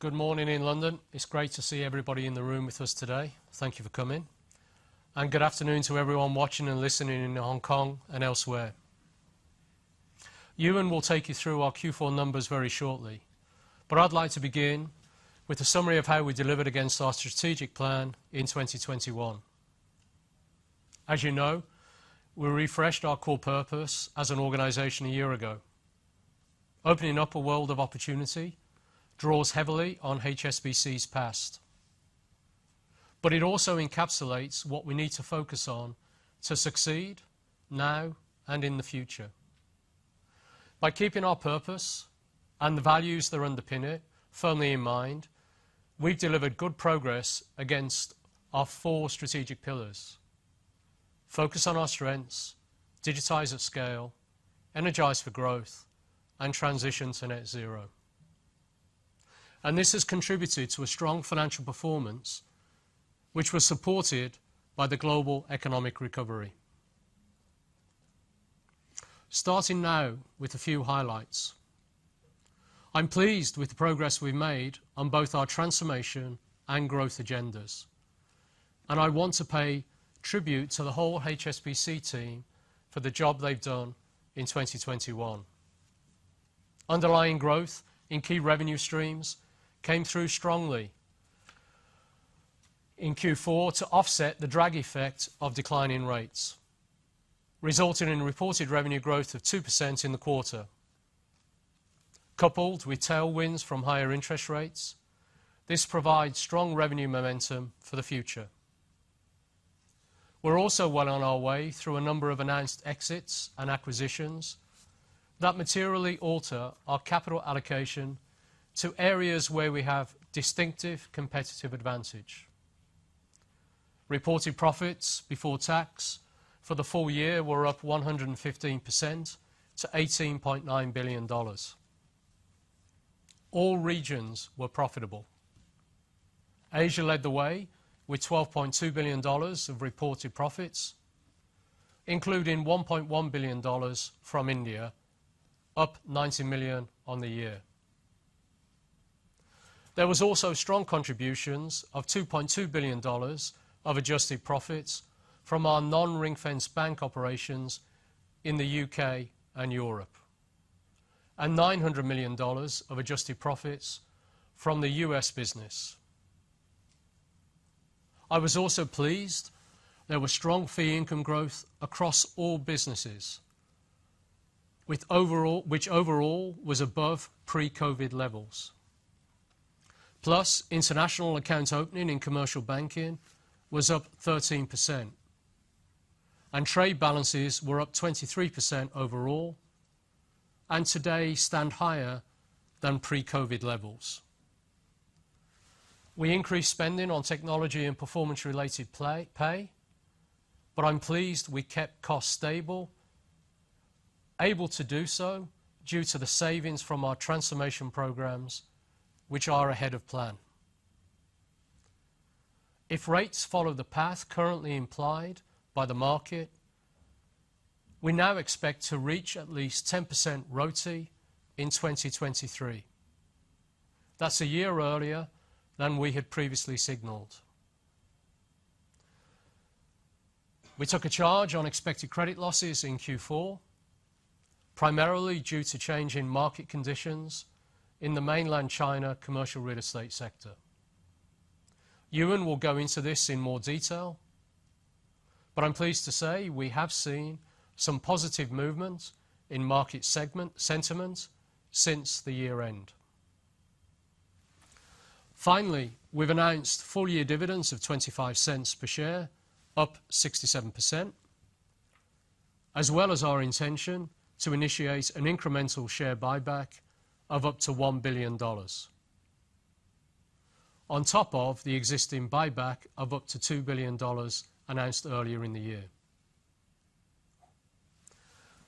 Good morning in London. It's great to see everybody in the room with us today. Thank you for coming. Good afternoon to everyone watching and listening in Hong Kong and elsewhere. Ewen will take you through our Q4 numbers very shortly, but I'd like to begin with a summary of how we delivered against our strategic plan in 2021. As you know, we refreshed our core purpose as an organization a year ago. Opening up a world of opportunity draws heavily on HSBC's past, but it also encapsulates what we need to focus on to succeed now and in the future. By keeping our purpose and the values that underpin it firmly in mind, we've delivered good progress against our four strategic pillars: focus on our strengths, digitize at scale, energize for growth, and transition to net zero. This has contributed to a strong financial performance, which was supported by the global economic recovery. Starting now with a few highlights. I'm pleased with the progress we've made on both our transformation and growth agendas, and I want to pay tribute to the whole HSBC team for the job they've done in 2021. Underlying growth in key revenue streams came through strongly in Q4 to offset the drag effect of declining rates, resulting in reported revenue growth of 2% in the quarter. Coupled with tailwinds from higher interest rates, this provides strong revenue momentum for the future. We're also well on our way through a number of announced exits and acquisitions that materially alter our capital allocation to areas where we have distinctive competitive advantage. Reported profits before tax for the full year were up 115% to $18.9 billion. All regions were profitable. Asia led the way with $12.2 billion of reported profits, including $1.1 billion from India, up $90 million on the year. There was also strong contributions of $2.2 billion of adjusted profits from our non-ring-fenced bank operations in the U.K. and Europe, and $900 million of adjusted profits from the U.S. business. I was also pleased there was strong fee income growth across all businesses, which overall was above pre-COVID levels. International accounts opening in Commercial Banking was up 13%, and trade balances were up 23% overall, and today stand higher than pre-COVID levels. We increased spending on technology and performance-related pay, but I'm pleased we kept costs stable, able to do so due to the savings from our transformation programs, which are ahead of plan. If rates follow the path currently implied by the market, we now expect to reach at least 10% ROTE in 2023. That's a year earlier than we had previously signaled. We took a charge on expected credit losses in Q4, primarily due to change in market conditions in the Mainland China commercial real estate sector. Ewan will go into this in more detail, but I'm pleased to say we have seen some positive movement in market sentiment since the year end. Finally, we've announced full year dividends of $0.25 per share, up 67%, as well as our intention to initiate an incremental share buyback of up to $1 billion. On top of the existing buyback of up to $2 billion announced earlier in the year.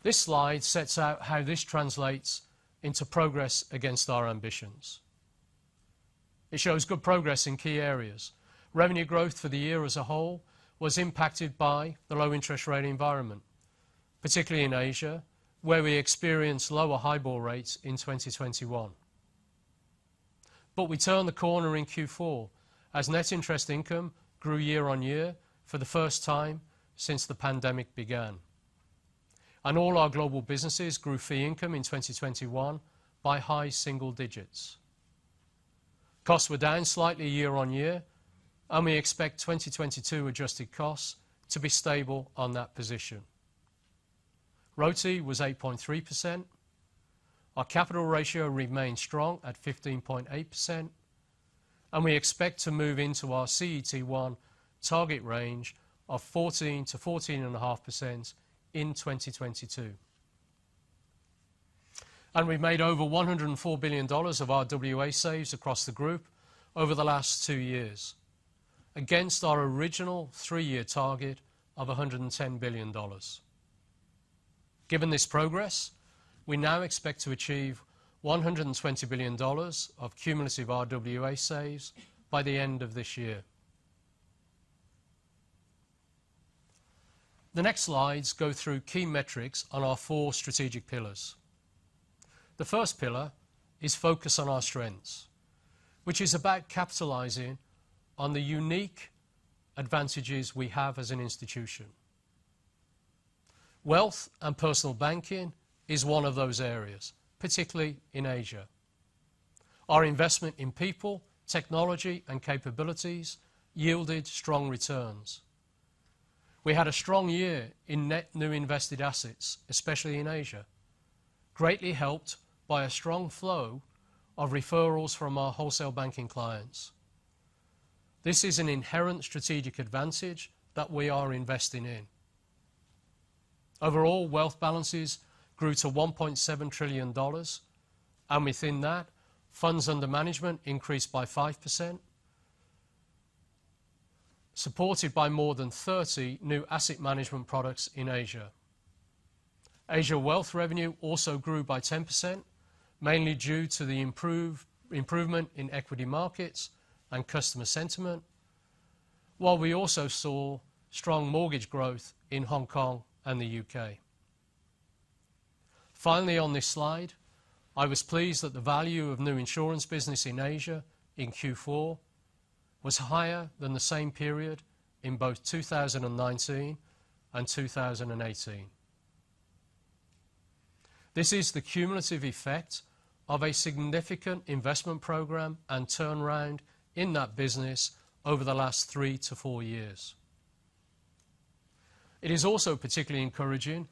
This slide sets out how this translates into progress against our ambitions. It shows good progress in key areas. Revenue growth for the year as a whole was impacted by the low-interest rate environment, particularly in Asia, where we experienced lower HIBOR rates in 2021. We turned the corner in Q4 as net interest income grew year-on-year for the first time since the pandemic began. All our global businesses grew fee income in 2021 by high single digits. Costs were down slightly year-on-year, and we expect 2022 adjusted costs to be stable on that position. ROTE was 8.3%. Our capital ratio remains strong at 15.8%, and we expect to move into our CET1 target range of 14%-14.5% in 2022. We made over $104 billion of RWA saves across the group over the last two years against our original three-year target of $110 billion. Given this progress, we now expect to achieve $120 billion of cumulative RWA saves by the end of this year. The next slides go through key metrics on our four strategic pillars. The first pillar is focus on our strengths, which is about capitalizing on the unique advantages we have as an institution. Wealth and Personal Banking is one of those areas, particularly in Asia. Our investment in people, technology, and capabilities yielded strong returns. We had a strong year in net new invested assets, especially in Asia, greatly helped by a strong flow of referrals from our wholesale banking clients. This is an inherent strategic advantage that we are investing in. Overall, wealth balances grew to $1.7 trillion, and within that, funds under management increased by 5%, supported by more than 30 new asset management products in Asia. Asia Wealth revenue also grew by 10%, mainly due to the improvement in equity markets and customer sentiment. While we also saw strong mortgage growth in Hong Kong and the U.K. Finally, on this slide, I was pleased that the value of new insurance business in Asia in Q4 was higher than the same period in both 2019 and 2018. This is the cumulative effect of a significant investment program and turnaround in that business over the last three-four years. It is also particularly encouraging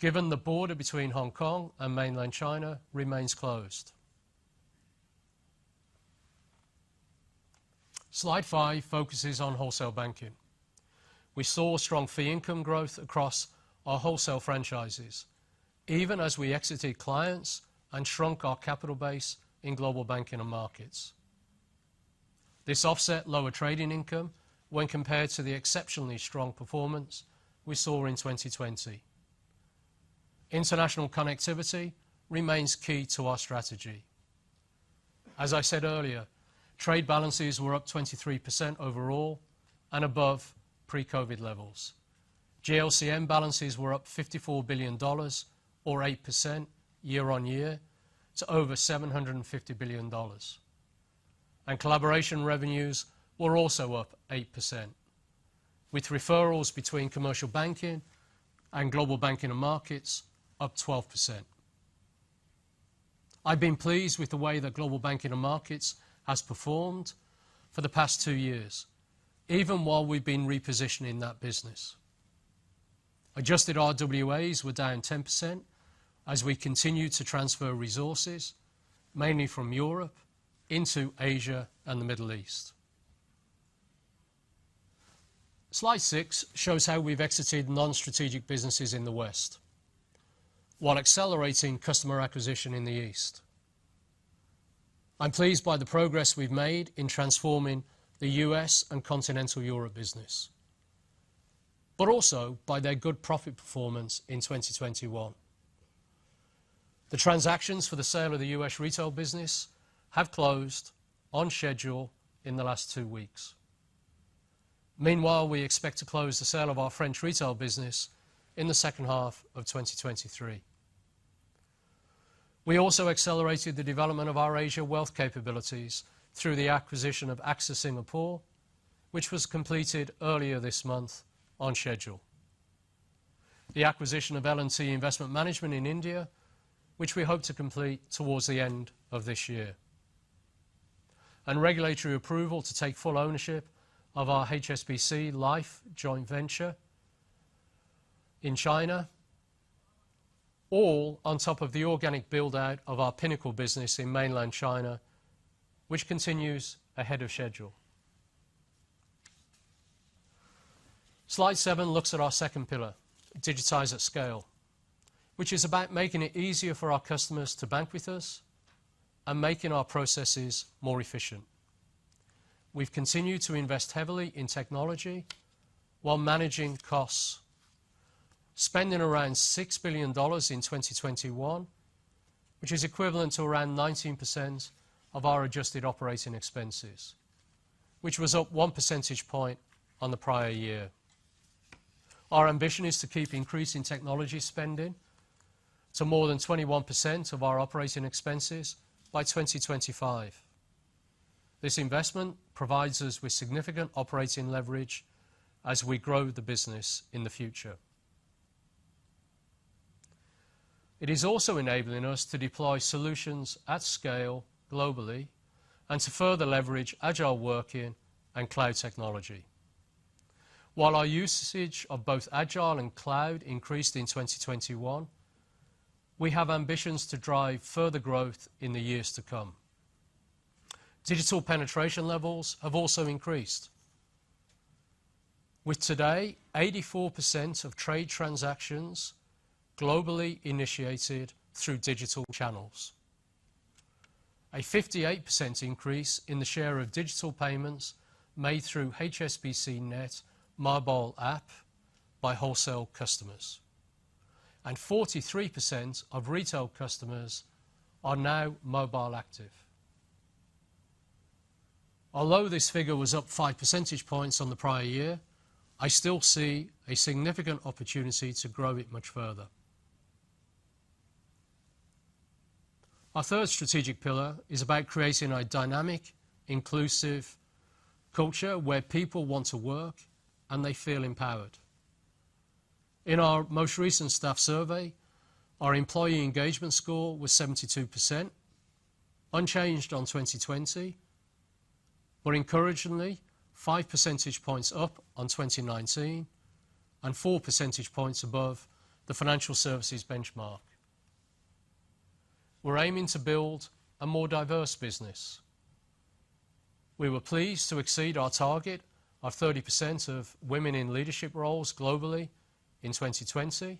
given the border between Hong Kong and mainland China remains closed. Slide five focuses on wholesale banking. We saw strong fee income growth across our wholesale franchises, even as we exited clients and shrunk our capital base in Global Banking and Markets. This offset lower trading income when compared to the exceptionally strong performance we saw in 2020. International connectivity remains key to our strategy. As I said earlier, trade balances were up 23% overall and above pre-COVID levels. GLCM balances were up $54 billion or 8% year-on-year to over $750 billion. Collaboration revenues were also up 8%, with referrals between Commercial Banking and Global Banking and Markets up 12%. I've been pleased with the way that Global Banking and Markets has performed for the past two years, even while we've been repositioning that business. Adjusted RWAs were down 10% as we continued to transfer resources, mainly from Europe into Asia and the Middle East. Slide six shows how we've exited non-strategic businesses in the West while accelerating customer acquisition in the East. I'm pleased by the progress we've made in transforming the U.S. and continental Europe business, but also by their good profit performance in 2021. The transactions for the sale of the U.S. retail business have closed on schedule in the last two weeks. Meanwhile, we expect to close the sale of our French retail business in the second half of 2023. We also accelerated the development of our Asia wealth capabilities through the acquisition of AXA Singapore, which was completed earlier this month on schedule. The acquisition of L&T Investment Management in India, which we hope to complete towards the end of this year. Regulatory approval to take full ownership of our HSBC Life joint venture in China, all on top of the organic build-out of our Pinnacle business in mainland China, which continues ahead of schedule. Slide seven looks at our second pillar, digitize at scale, which is about making it easier for our customers to bank with us and making our processes more efficient. We've continued to invest heavily in technology while managing costs, spending around $6 billion in 2021, which is equivalent to around 19% of our adjusted operating expenses, which was up 1 percentage point on the prior year. Our ambition is to keep increasing technology spending to more than 21% of our operating expenses by 2025. This investment provides us with significant operating leverage as we grow the business in the future. It is also enabling us to deploy solutions at scale globally and to further leverage agile working and cloud technology. While our usage of both agile and cloud increased in 2021, we have ambitions to drive further growth in the years to come. Digital penetration levels have also increased, with today 84% of trade transactions globally initiated through digital channels, a 58% increase in the share of digital payments made through HSBCnet mobile app by wholesale customers, and 43% of retail customers now mobile active. Although this figure was up five percentage points on the prior year, I still see a significant opportunity to grow it much further. Our third strategic pillar is about creating a dynamic, inclusive culture where people want to work and they feel empowered. In our most recent staff survey, our employee engagement score was 72%, unchanged on 2020, but encouragingly, 5 percentage points up on 2019 and 4 percentage points above the financial services benchmark. We're aiming to build a more diverse business. We were pleased to exceed our target of 30% of women in leadership roles globally in 2020,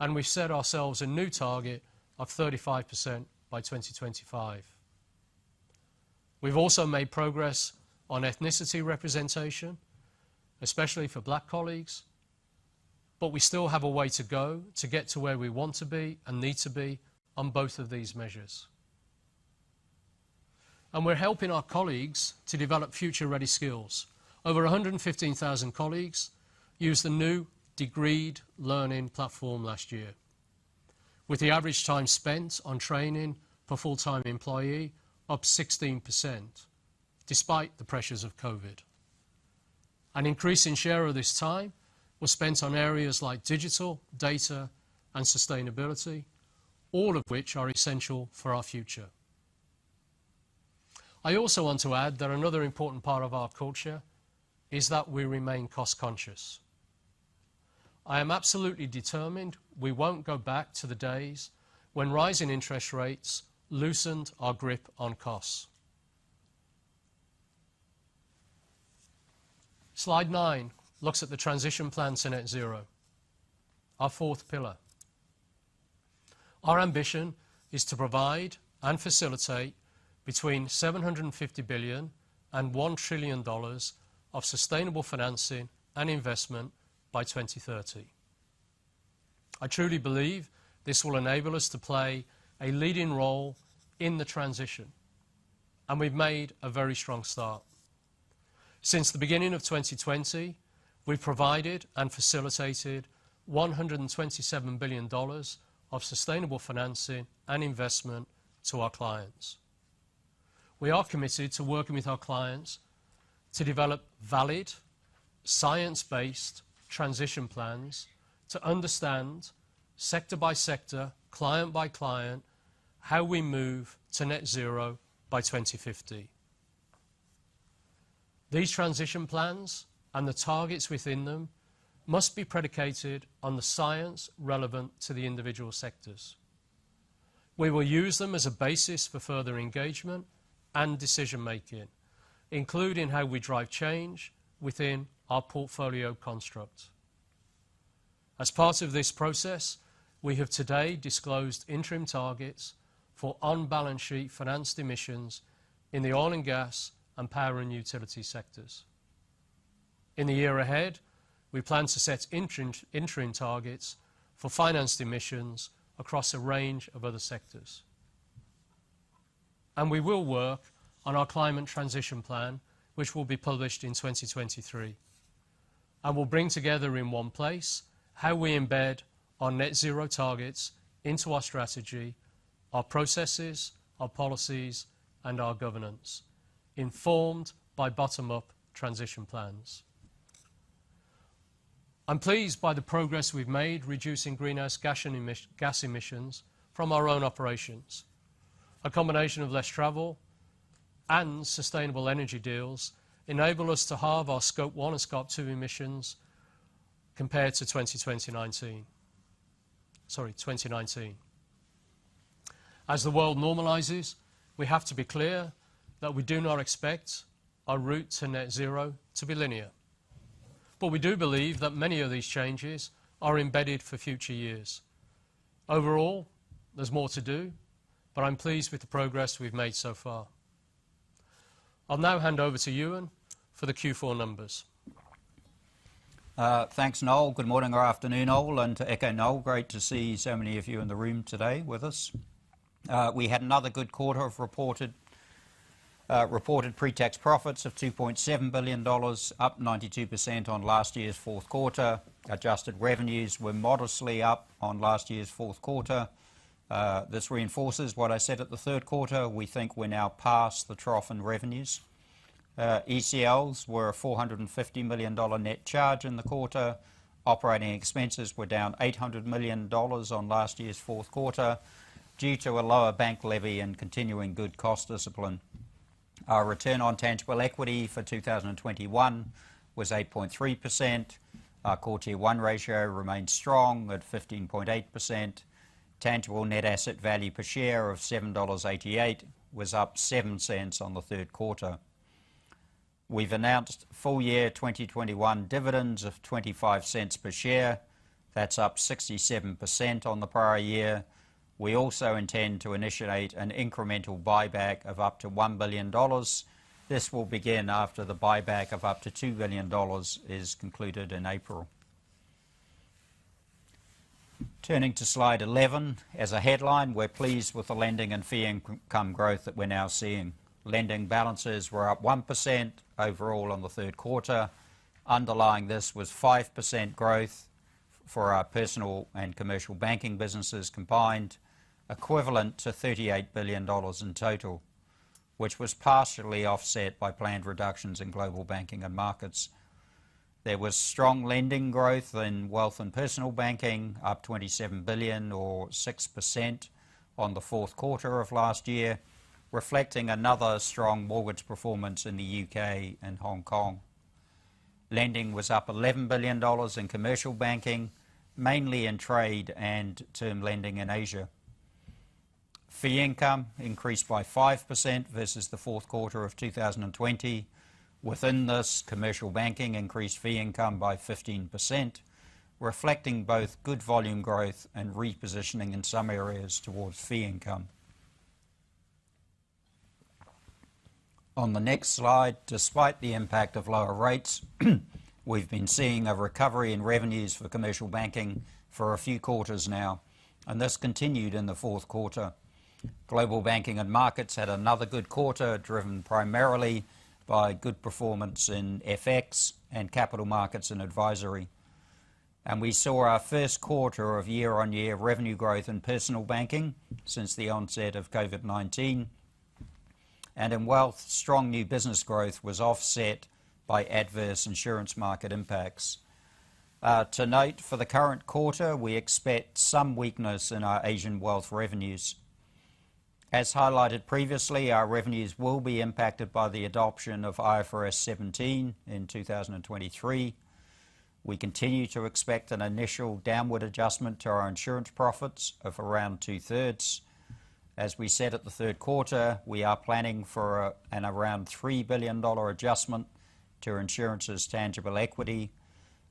and we've set ourselves a new target of 35% by 2025. We've also made progress on ethnicity representation, especially for Black colleagues, but we still have a way to go to get to where we want to be and need to be on both of these measures. We're helping our colleagues to develop future-ready skills. Over 115,000 colleagues used the new Degreed learning platform last year, with the average time spent on training per full-time employee up 16% despite the pressures of COVID. An increasing share of this time was spent on areas like digital, data, and sustainability, all of which are essential for our future. I also want to add that another important part of our culture is that we remain cost-conscious. I am absolutely determined we won't go back to the days when rising interest rates loosened our grip on costs. Slide nine looks at the transition plan to net zero, our fourth pillar. Our ambition is to provide and facilitate between $750 billion and $1 trillion of sustainable financing and investment by 2030. I truly believe this will enable us to play a leading role in the transition, and we've made a very strong start. Since the beginning of 2020, we've provided and facilitated $127 billion of sustainable financing and investment to our clients. We are committed to working with our clients to develop valid, science-based transition plans to understand sector by sector, client by client, how we move to net zero by 2050. These transition plans and the targets within them must be predicated on the science relevant to the individual sectors. We will use them as a basis for further engagement and decision-making, including how we drive change within our portfolio construct. As part of this process, we have today disclosed interim targets for on-balance sheet financed emissions in the oil and gas and power and utility sectors. In the year ahead, we plan to set interim targets for financed emissions across a range of other sectors. We will work on our climate transition plan, which will be published in 2023 and will bring together in one place how we embed our net zero targets into our strategy, our processes, our policies, and our governance, informed by bottom-up transition plans. I'm pleased by the progress we've made reducing greenhouse gas emissions from our own operations. A combination of less travel and sustainable energy deals enable us to halve our Scope 1 and Scope 2 emissions compared to 2019. As the world normalizes, we have to be clear that we do not expect our route to net zero to be linear. We do believe that many of these changes are embedded for future years. Overall, there's more to do, but I'm pleased with the progress we've made so far. I'll now hand over to Ewen for the Q4 numbers. Thanks, Noel. Good morning or afternoon all, and to echo Noel, great to see so many of you in the room today with us. We had another good quarter of reported pre-tax profits of $2.7 billion, up 92% on last year's fourth quarter. Adjusted revenues were modestly up on last year's fourth quarter. This reinforces what I said at the third quarter. We think we're now past the trough in revenues. ECLs were a $450 million net charge in the quarter. Operating expenses were down $800 million on last year's fourth quarter due to a lower bank levy and continuing good cost discipline. Our return on tangible equity for 2021 was 8.3%. Our CET1 ratio remains strong at 15.8%. Tangible net asset value per share of $7.88 was up $0.07 on the third quarter. We've announced full year 2021 dividends of $0.25 per share. That's up 67% on the prior year. We also intend to initiate an incremental buyback of up to $1 billion. This will begin after the buyback of up to $2 billion is concluded in April. Turning to slide 11, as a headline, we're pleased with the lending and fee income growth that we're now seeing. Lending balances were up 1% overall on the third quarter. Underlying this was 5% growth for our personal and commercial banking businesses combined, equivalent to $38 billion in total, which was partially offset by planned reductions in global banking and markets. There was strong lending growth in Wealth and Personal Banking, up $27 billion or 6% on the fourth quarter of last year, reflecting another strong mortgage performance in the U.K. and Hong Kong. Lending was up $11 billion in Commercial Banking, mainly in trade and term lending in Asia. Fee income increased by 5% versus the fourth quarter of 2020. Within this, Commercial Banking increased fee income by 15%, reflecting both good volume growth and repositioning in some areas towards fee income. On the next slide, despite the impact of lower rates, we've been seeing a recovery in revenues for Commercial Banking for a few quarters now, and this continued in the fourth quarter. Global Banking and Markets had another good quarter, driven primarily by good performance in FX and capital markets and advisory. We saw our first quarter of year-on-year revenue growth in personal banking since the onset of COVID-19. In wealth, strong new business growth was offset by adverse insurance market impacts. To note, for the current quarter, we expect some weakness in our Asian wealth revenues. As highlighted previously, our revenues will be impacted by the adoption of IFRS 17 in 2023. We continue to expect an initial downward adjustment to our insurance profits of around two-thirds. As we said at the third quarter, we are planning for an around $3 billion adjustment to our insurance's tangible equity,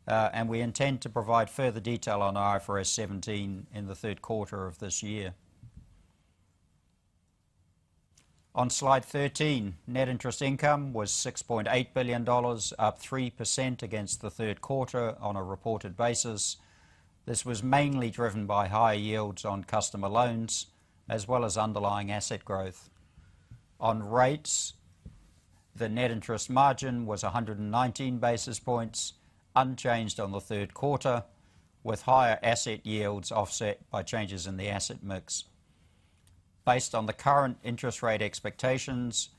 and we intend to provide further detail on IFRS 17 in the third quarter of this year. On slide 13, net interest income was $6.8 billion, up 3% against the third quarter on a reported basis. This was mainly driven by higher yields on customer loans as well as underlying asset growth. On rates, the net interest margin was 119 basis points, unchanged on the third quarter, with higher asset yields offset by changes in the asset mix. Based on the current interest rate expectations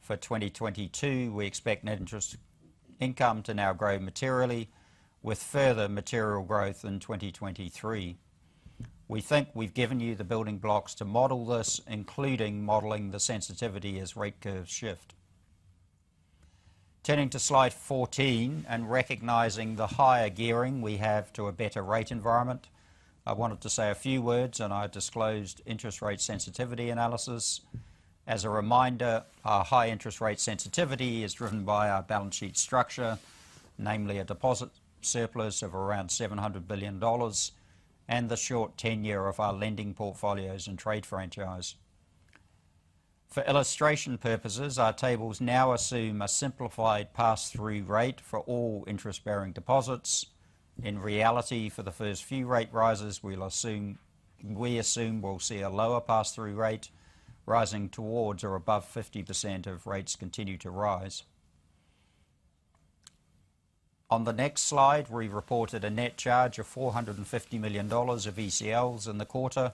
for 2022, we expect net interest income to now grow materially with further material growth in 2023. We think we've given you the building blocks to model this, including modeling the sensitivity as rate curves shift. Turning to slide 14 and recognizing the higher gearing we have to a better rate environment, I wanted to say a few words on our disclosed interest rate sensitivity analysis. As a reminder, our high interest rate sensitivity is driven by our balance sheet structure, namely a deposit surplus of around $700 billion and the short tenure of our lending portfolios and trade franchise. For illustration purposes, our tables now assume a simplified pass-through rate for all interest-bearing deposits. In reality, for the first few rate rises, we assume we'll see a lower pass-through rate rising towards or above 50% if rates continue to rise. On the next slide, we reported a net charge of $450 million of ECLs in the quarter.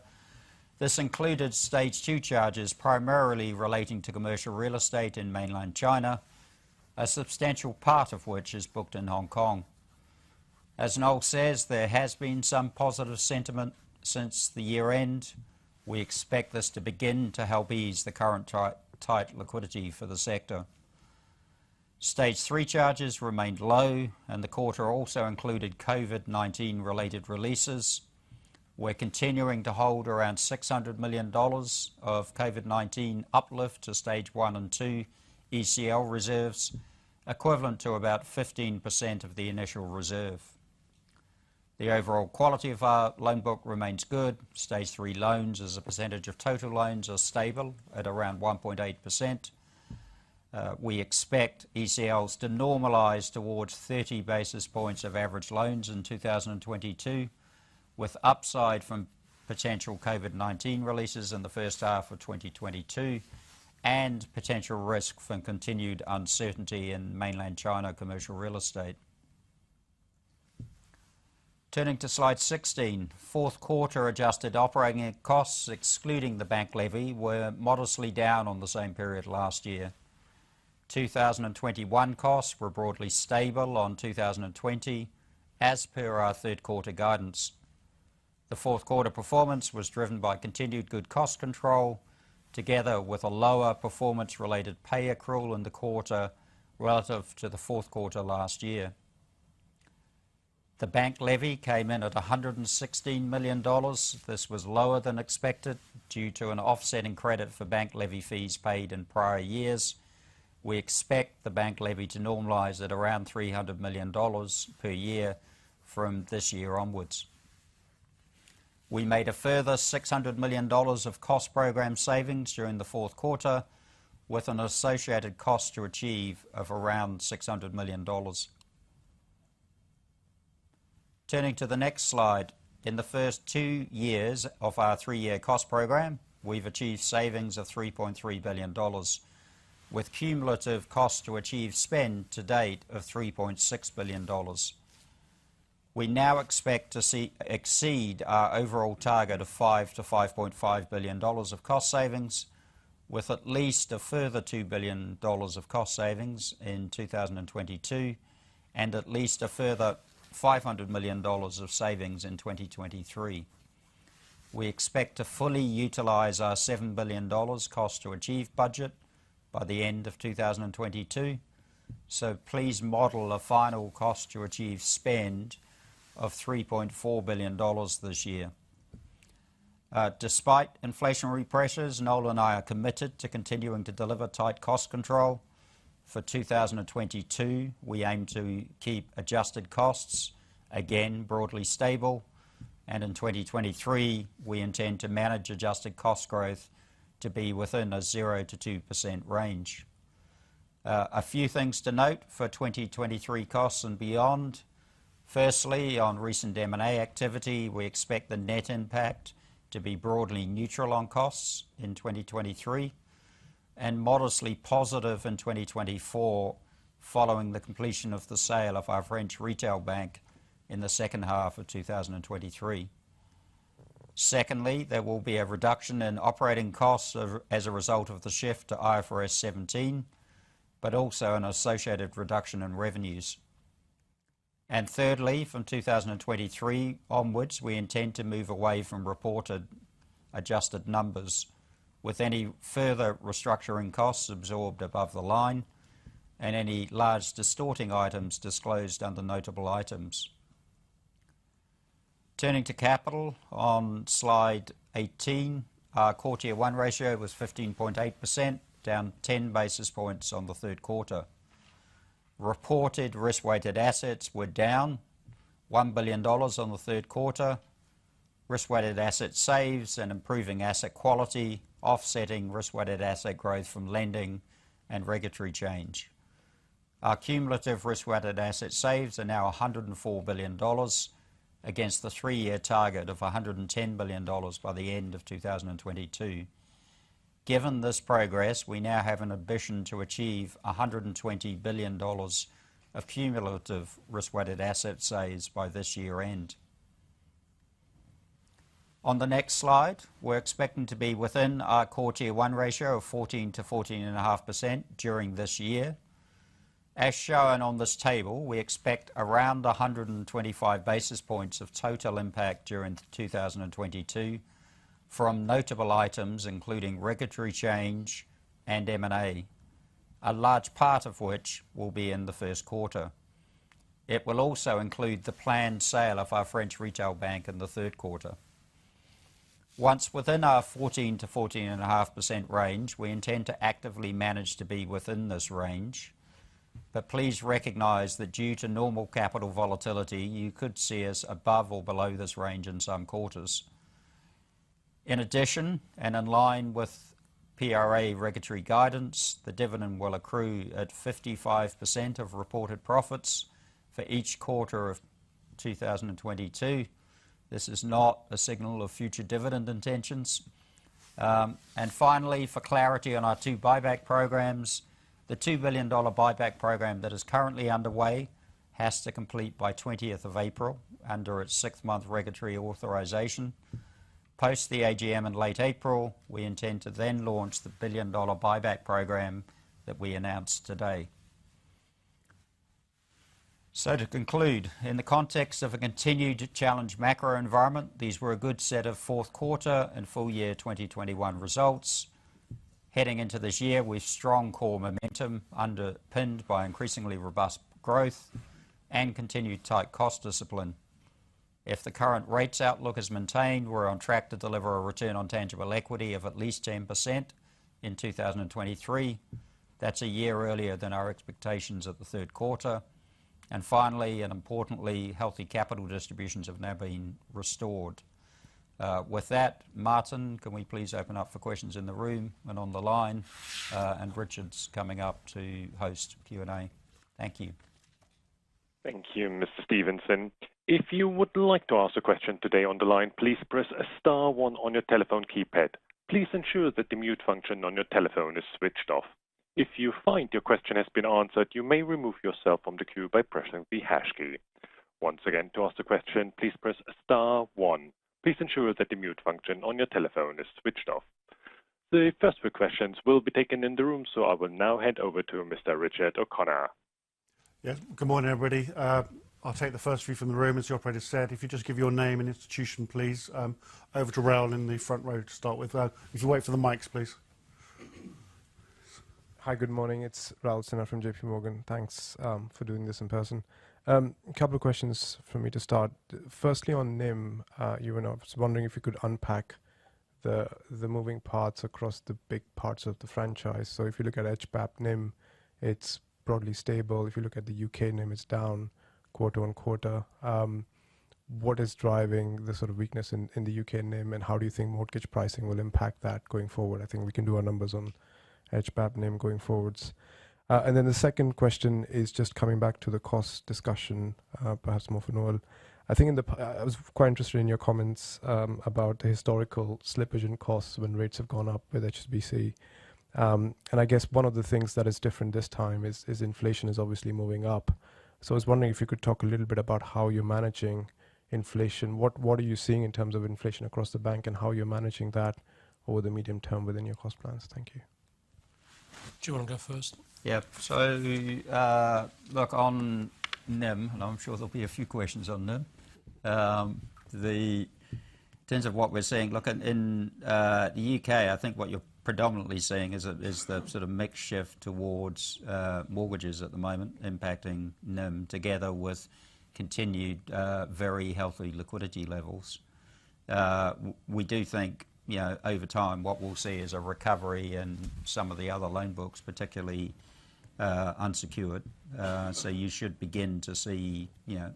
This included Stage 2 charges primarily relating to commercial real estate in mainland China, a substantial part of which is booked in Hong Kong. As Noel says, there has been some positive sentiment since the year-end. We expect this to begin to help ease the current tight liquidity for the sector. Stage 3 charges remained low, and the quarter also included COVID-19 related releases. We're continuing to hold around $600 million of COVID-19 uplift to Stage 1 and Stage 2 ECL reserves, equivalent to about 15% of the initial reserve. The overall quality of our loan book remains good. Stage 3 loans as a percentage of total loans are stable at around 1.8%. We expect ECLs to normalize towards 30 basis points of average loans in 2022, with upside from potential COVID-19 releases in the first half of 2022 and potential risk from continued uncertainty in mainland China commercial real estate. Turning to slide 16, fourth quarter adjusted operating costs, excluding the bank levy, were modestly down on the same period last year. 2021 costs were broadly stable on 2020, as per our third quarter guidance. The fourth quarter performance was driven by continued good cost control together with a lower performance-related pay accrual in the quarter relative to the fourth quarter last year. The bank levy came in at $116 million. This was lower than expected due to an offsetting credit for bank levy fees paid in prior years. We expect the bank levy to normalize at around $300 million per year from this year onwards. We made a further $600 million of cost program savings during the fourth quarter. With an associated cost to achieve of around $600 million. Turning to the next slide. In the first two years of our three-year cost program, we've achieved savings of $3.3 billion with cumulative cost to achieve spend to date of $3.6 billion. We now expect to exceed our overall target of $5 billion-$5.5 billion of cost savings, with at least a further $2 billion of cost savings in 2022, and at least a further $500 million of savings in 2023. We expect to fully utilize our $7 billion cost to achieve budget by the end of 2022. Please model a final cost to achieve spend of $3.4 billion this year. Despite inflationary pressures, Noel and I are committed to continuing to deliver tight cost control. For 2022, we aim to keep adjusted costs again broadly stable, and in 2023, we intend to manage adjusted cost growth to be within a 0%-2% range. A few things to note for 2023 costs and beyond. Firstly, on recent M&A activity, we expect the net impact to be broadly neutral on costs in 2023 and modestly positive in 2024, following the completion of the sale of our French retail bank in the second half of 2023. Secondly, there will be a reduction in operating costs as a result of the shift to IFRS 17, but also an associated reduction in revenues. Thirdly, from 2023 onwards, we intend to move away from reported adjusted numbers with any further restructuring costs absorbed above the line and any large distorting items disclosed under notable items. Turning to capital on slide 18. Our quarter one ratio was 15.8%, down 10 basis points on the third quarter. Reported risk-weighted assets were down $1 billion on the third quarter, risk-weighted asset saves and improving asset quality offsetting risk-weighted asset growth from lending and regulatory change. Our cumulative risk-weighted asset saves are now $104 billion against the three-year target of $110 billion by the end of 2022. Given this progress, we now have an ambition to achieve $120 billion of cumulative risk-weighted asset saves by year-end. On the next slide, we're expecting to be within our core Tier 1 ratio of 14%-14.5% during this year. As shown on this table, we expect around 125 basis points of total impact during 2022 from notable items, including regulatory change and M&A, a large part of which will be in the first quarter. It will also include the planned sale of our French retail bank in the third quarter. Once within our 14%-14.5% range, we intend to actively manage to be within this range. Please recognize that due to normal capital volatility, you could see us above or below this range in some quarters. In addition, and in line with PRA regulatory guidance, the dividend will accrue at 55% of reported profits for each quarter of 2022. This is not a signal of future dividend intentions. Finally, for clarity on our two buyback programs, the $2 billion buyback program that is currently underway has to complete by 20th of April under its sixth-month regulatory authorization. Post the AGM in late April, we intend to then launch the $1 billion buyback program that we announced today. To conclude, in the context of a continuing challenging macro environment, these were a good set of fourth quarter and full year 2021 results. Heading into this year with strong core momentum underpinned by increasingly robust growth and continued tight cost discipline. If the current rates outlook is maintained, we're on track to deliver a return on tangible equity of at least 10% in 2023. That's a year earlier than our expectations at the third quarter. Finally, and importantly, healthy capital distributions have now been restored. With that, Martin, can we please open up for questions in the room and on the line? Richard's coming up to host Q&A. Thank you. Thank you, Mr. Stevenson. If you would like to ask a question today on the line, please press star one on your telephone keypad. Please ensure that the mute function on your telephone is switched off. If you find your question has been answered, you may remove yourself from the queue by pressing the hash key. Once again, to ask a question, please press star one. Please ensure that the mute function on your telephone is switched off. The first few questions will be taken in the room, so I will now hand over to Mr. Richard O'Connor. Yeah. Good morning, everybody. I'll take the first few from the room, as the operator said. If you just give your name and institution, please. Over to Raul in the front row to start with. If you wait for the mics, please. Hi. Good morning. It's Raul Sinha from JP Morgan. Thanks for doing this in person. A couple of questions from me to start. Firstly, on NIM, I was wondering if you could unpack the moving parts across the big parts of the franchise. If you look at HBAP NIM, it's broadly stable. If you look at the U.K. NIM, it's down quarter-on-quarter. What is driving the sort of weakness in the U.K. NIM and how do you think mortgage pricing will impact that going forward? I think we can do our numbers on HBAP NIM going forwards. The second question is just coming back to the cost discussion, perhaps more for Noel. I think in the p... I was quite interested in your comments about the historical slippage in costs when rates have gone up with HSBC. I guess one of the things that is different this time is inflation is obviously moving up. I was wondering if you could talk a little bit about how you're managing inflation. What are you seeing in terms of inflation across the bank and how you're managing that over the medium term within your cost plans? Thank you. Do you wanna go first? Look, on NIM, and I'm sure there'll be a few questions on NIM. In terms of what we're seeing, look, in the U.K., I think what you're predominantly seeing is the sort of mix shift towards mortgages at the moment impacting NIM together with continued very healthy liquidity levels. We do think, you know, over time, what we'll see is a recovery in some of the other loan books, particularly unsecured. You should begin to see, you know,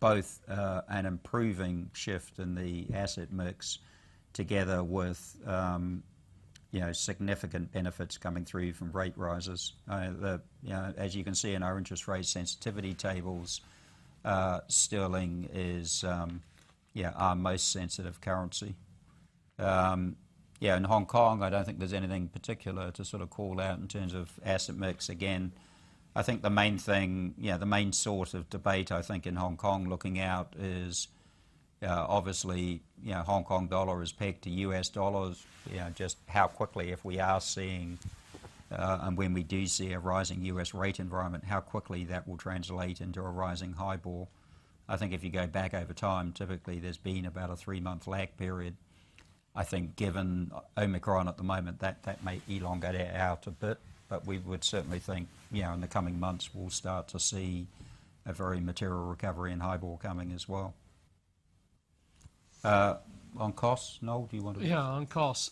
both an improving shift in the asset mix together with, you know, significant benefits coming through from rate rises. You know, as you can see in our interest rate sensitivity tables, sterling is our most sensitive currency. Yeah, in Hong Kong, I don't think there's anything particular to sort of call out in terms of asset mix. Again, I think the main thing, you know, the main source of debate, I think, in Hong Kong looking out is, obviously, you know, Hong Kong dollar as pegged to U.S. dollars, you know, just how quickly if we are seeing, and when we do see a rising U.S. rate environment, how quickly that will translate into a rising HIBOR. I think if you go back over time, typically, there's been about a three-month lag period. I think given Omicron at the moment, that may elongate it out a bit, but we would certainly think, you know, in the coming months, we'll start to see a very material recovery in HIBOR coming as well. On costs, Noel, do you wanna- Yeah, on costs.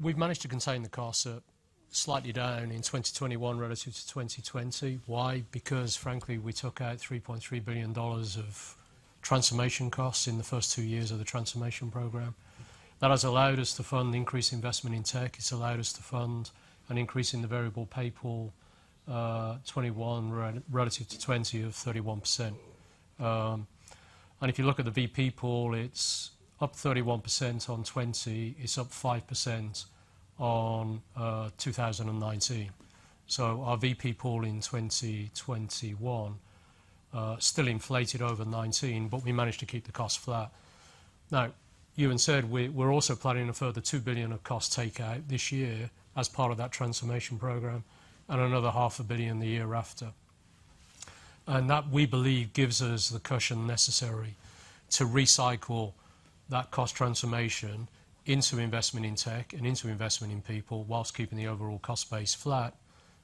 We've managed to contain the costs at slightly down in 2021 relative to 2020. Why? Because frankly, we took out $3.3 billion of transformation costs in the first two years of the transformation program. That has allowed us to fund increased investment in tech. It's allowed us to fund an increase in the variable pay pool, 2021 relative to 2020 of 31%. And if you look at the VP pool, it's up 31% on 2020, it's up 5% on 2019. Our VP pool in 2021 still inflated over 2019, but we managed to keep the cost flat. Now, Ewen said we're also planning a further $2 billion of cost takeout this year as part of that transformation program and another $0.5 billion the year after. That, we believe, gives us the cushion necessary to recycle that cost transformation into investment in tech and into investment in people while keeping the overall cost base flat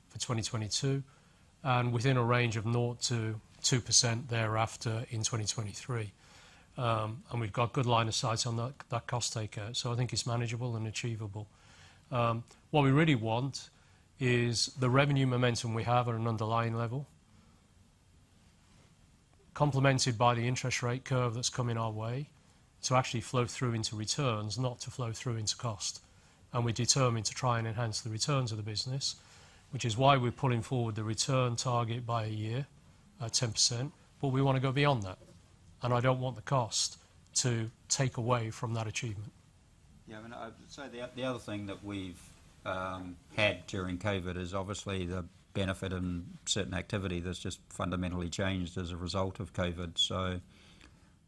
for 2022, and within a range of 0%-2% thereafter in 2023. We've got good line of sight on that cost takeout. I think it's manageable and achievable. What we really want is the revenue momentum we have at an underlying level, complemented by the interest rate curve that's coming our way to actually flow through into returns, not to flow through into cost. We're determined to try and enhance the returns of the business, which is why we're pulling forward the return target by a year at 10%. We wanna go beyond that, and I don't want the cost to take away from that achievement. Yeah. I mean, I'd say the other thing that we've had during COVID is obviously the benefit in certain activity that's just fundamentally changed as a result of COVID.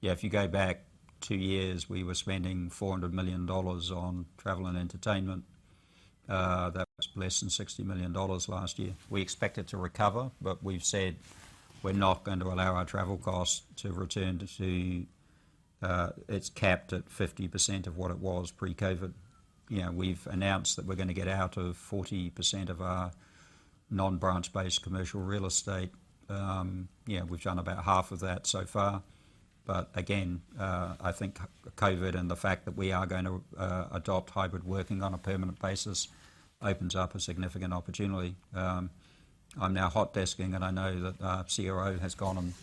Yeah, if you go back two years, we were spending $400 million on travel and entertainment. That was less than $60 million last year. We expect it to recover, but we've said we're not going to allow our travel costs to return to. It's capped at 50% of what it was pre-COVID. You know, we've announced that we're gonna get out of 40% of our non-branch-based commercial real estate. Yeah, we've done about half of that so far. But again, I think COVID and the fact that we are gonna adopt hybrid working on a permanent basis opens up a significant opportunity. I'm now hot-desking, and I know that our CRO has gone and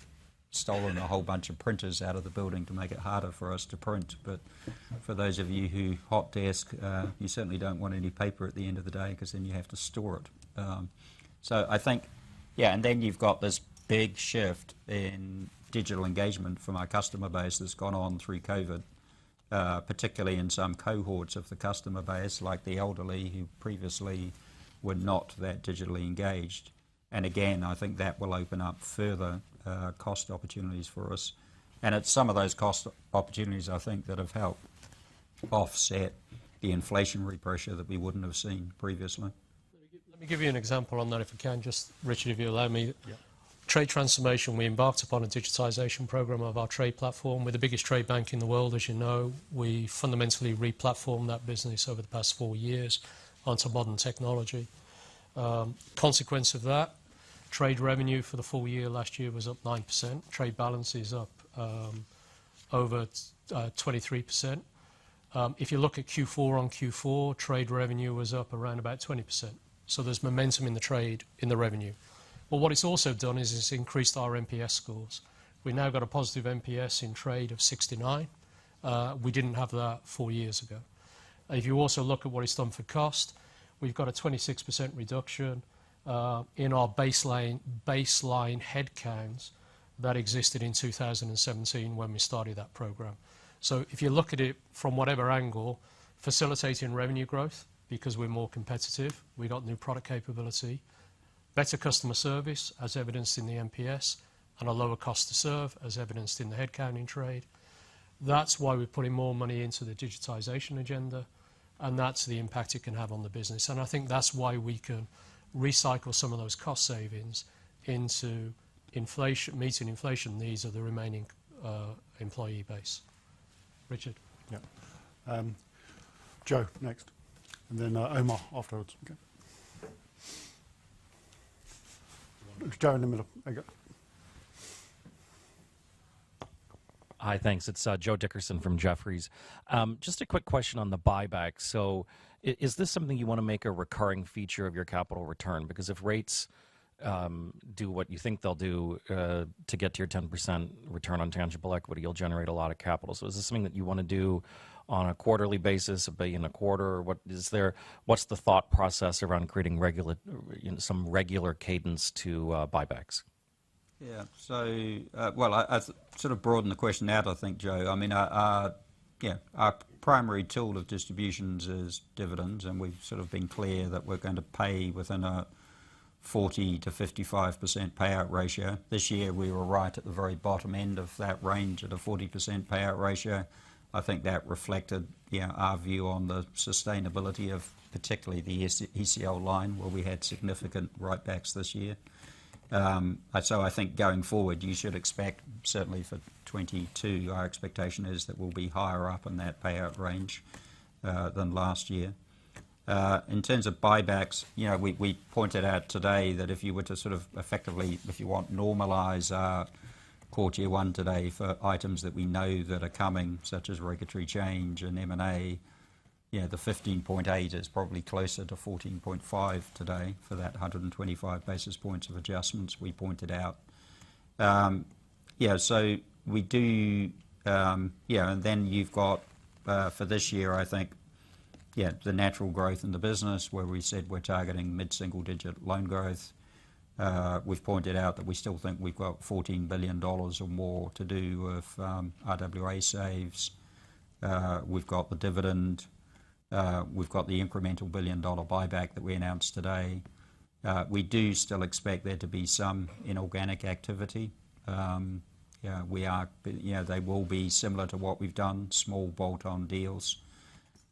stolen a whole bunch of printers out of the building to make it harder for us to print. For those of you who hot desk, you certainly don't want any paper at the end of the day 'cause then you have to store it. I think, yeah, and then you've got this big shift in digital engagement from our customer base that's gone on through COVID, particularly in some cohorts of the customer base, like the elderly, who previously were not that digitally engaged. Again, I think that will open up further cost opportunities for us. It's some of those cost opportunities I think that have helped offset the inflationary pressure that we wouldn't have seen previously. Let me give you an example on that if I can. Just, Richard, if you allow me. Yeah. Trade transformation, we embarked upon a digitization program of our trade platform. We're the biggest trade bank in the world, as you know. We fundamentally re-platformed that business over the past four years onto modern technology. A consequence of that, trade revenue for the full year last year was up 9%. Trade balance is up over 23%. If you look at Q4 on Q4, trade revenue was up around about 20%. There's momentum in the trade, in the revenue. What it's also done is it's increased our NPS scores. We've now got a positive NPS in trade of 69%. We didn't have that four years ago. If you also look at what it's done for cost, we've got a 26% reduction in our baseline headcounts that existed in 2017 when we started that program. If you look at it from whatever angle, facilitating revenue growth, because we're more competitive, we got new product capability, better customer service as evidenced in the NPS, and a lower cost to serve as evidenced in the headcount in trade. That's why we're putting more money into the digitization agenda, and that's the impact it can have on the business. I think that's why we can recycle some of those cost savings into inflation, meeting inflation needs of the remaining employee base. Richard? Yeah. Joe next, and then, Omar afterwards. Okay. Joe in the middle. There you go. Hi. Thanks. It's Joe Dickerson from Jefferies. Just a quick question on the buyback. Is this something you wanna make a recurring feature of your capital return? Because if rates do what you think they'll do to get to your 10% return on tangible equity, you'll generate a lot of capital. Is this something that you wanna do on a quarterly basis, a billion a quarter? What's the thought process around creating regular, you know, some regular cadence to buybacks? Yeah. Well, I sort of broadened the question out, I think, Joe. I mean, our primary tool of distributions is dividends, and we've sort of been clear that we're going to pay within a 40%-55% payout ratio. This year, we were right at the very bottom end of that range at a 40% payout ratio. I think that reflected, you know, our view on the sustainability of particularly the stage ECL line, where we had significant write-backs this year. I think going forward, you should expect, certainly for 2022, our expectation is that we'll be higher up in that payout range than last year. In terms of buybacks, you know, we pointed out today that if you were to sort of effectively, if you want, normalize our core tier one today for items that we know that are coming, such as regulatory change and M&A, you know, the 15.8 is probably closer to 14.5 today for that 125 basis points of adjustments we pointed out. We do still expect there to be some inorganic activity. And then you've got for this year, I think, the natural growth in the business where we said we're targeting mid-single digit loan growth. We've pointed out that we still think we've got $14 billion or more to do with RWA saves. We've got the dividend. We've got the incremental billion-dollar buyback that we announced today. You know, we are, you know, they will be similar to what we've done, small bolt-on deals.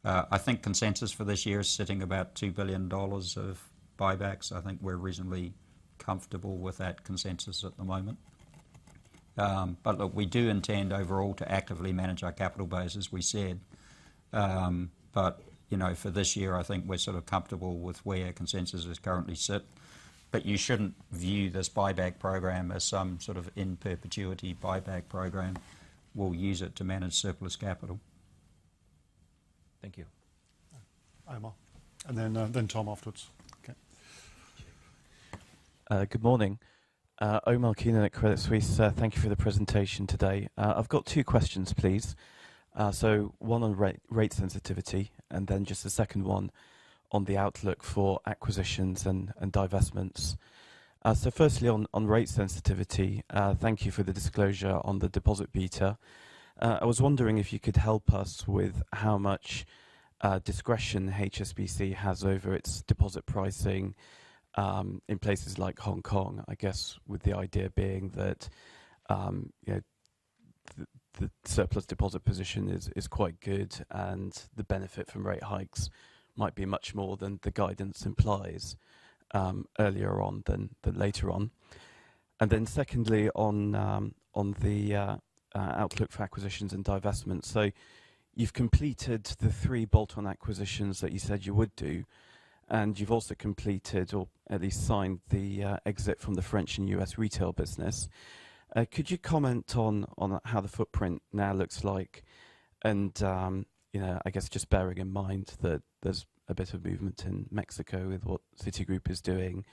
I think consensus for this year is sitting about $2 billion of buybacks. I think we're reasonably comfortable with that consensus at the moment. Look, we do intend overall to actively manage our capital base, as we said. You know, for this year, I think we're sort of comfortable with where consensus is currently sitting. You shouldn't view this buyback program as some sort of in perpetuity buyback program. We'll use it to manage surplus capital. Thank you. Omar, and then Tom afterwards. Okay. Good morning. Omar Keenan at Credit Suisse. Thank you for the presentation today. I've got two questions, please. One on rate sensitivity and then just a second one on the outlook for acquisitions and divestments. Firstly, on rate sensitivity, thank you for the disclosure on the deposit beta. I was wondering if you could help us with how much discretion HSBC has over its deposit pricing in places like Hong Kong. I guess with the idea being that you know the surplus deposit position is quite good and the benefit from rate hikes might be much more than the guidance implies earlier on than later on. Secondly, on the outlook for acquisitions and divestments. You've completed the three bolt-on acquisitions that you said you would do, and you've also completed or at least signed the exit from the French and U.S. retail business. Could you comment on how the footprint now looks like? You know, I guess just bearing in mind that there's a bit of movement in Mexico with what Citigroup is doing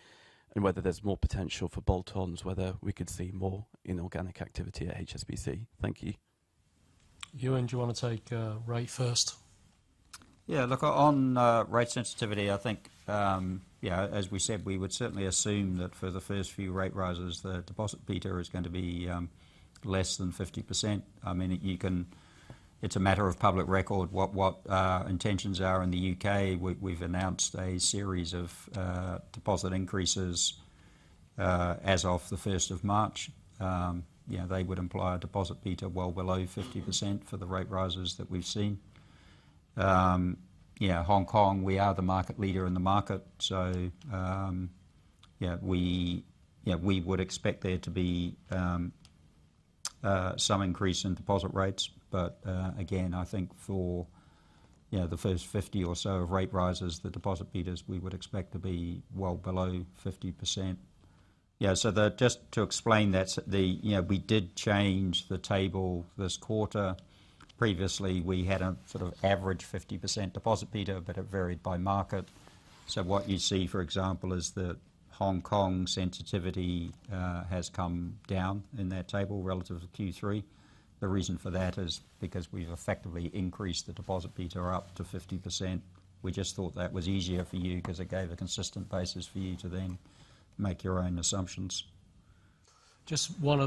and whether there's more potential for bolt-ons, whether we could see more inorganic activity at HSBC. Thank you. Ewen, do you wanna take rate first? Yeah. Look, on rate sensitivity, I think, you know, as we said, we would certainly assume that for the first few rate rises, the deposit beta is gonna be less than 50%. I mean, It's a matter of public record, what intentions are in the U.K. We've announced a series of deposit increases as of the 1st March. You know, they would imply a deposit beta well below 50% for the rate rises that we've seen. You know, Hong Kong, we are the market leader in the market. So, yeah, we, you know, we would expect there to be some increase in deposit rates. Again, I think for, you know, the first 50% or so of rate rises, the deposit betas we would expect to be well below 50%. Just to explain that, you know, we did change the table this quarter. Previously, we had a sort of average 50% deposit beta, but it varied by market. What you see, for example, is that Hong Kong sensitivity has come down in that table relative to Q3. The reason for that is because we've effectively increased the deposit beta up to 50%. We just thought that was easier for you because it gave a consistent basis for you to then make your own assumptions. Just one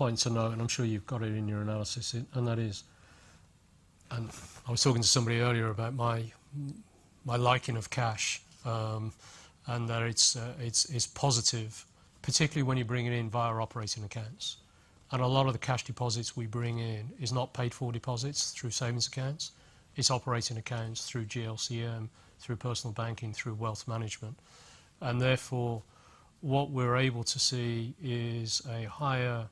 other point to note, and I'm sure you've got it in your analysis, and that is, I was talking to somebody earlier about my liking of cash, and that it's positive, particularly when you bring it in via operating accounts. A lot of the cash deposits we bring in is not paid for deposits through savings accounts. It's operating accounts through GLCM, through personal banking, through wealth management. Therefore, what we're able to see is a higher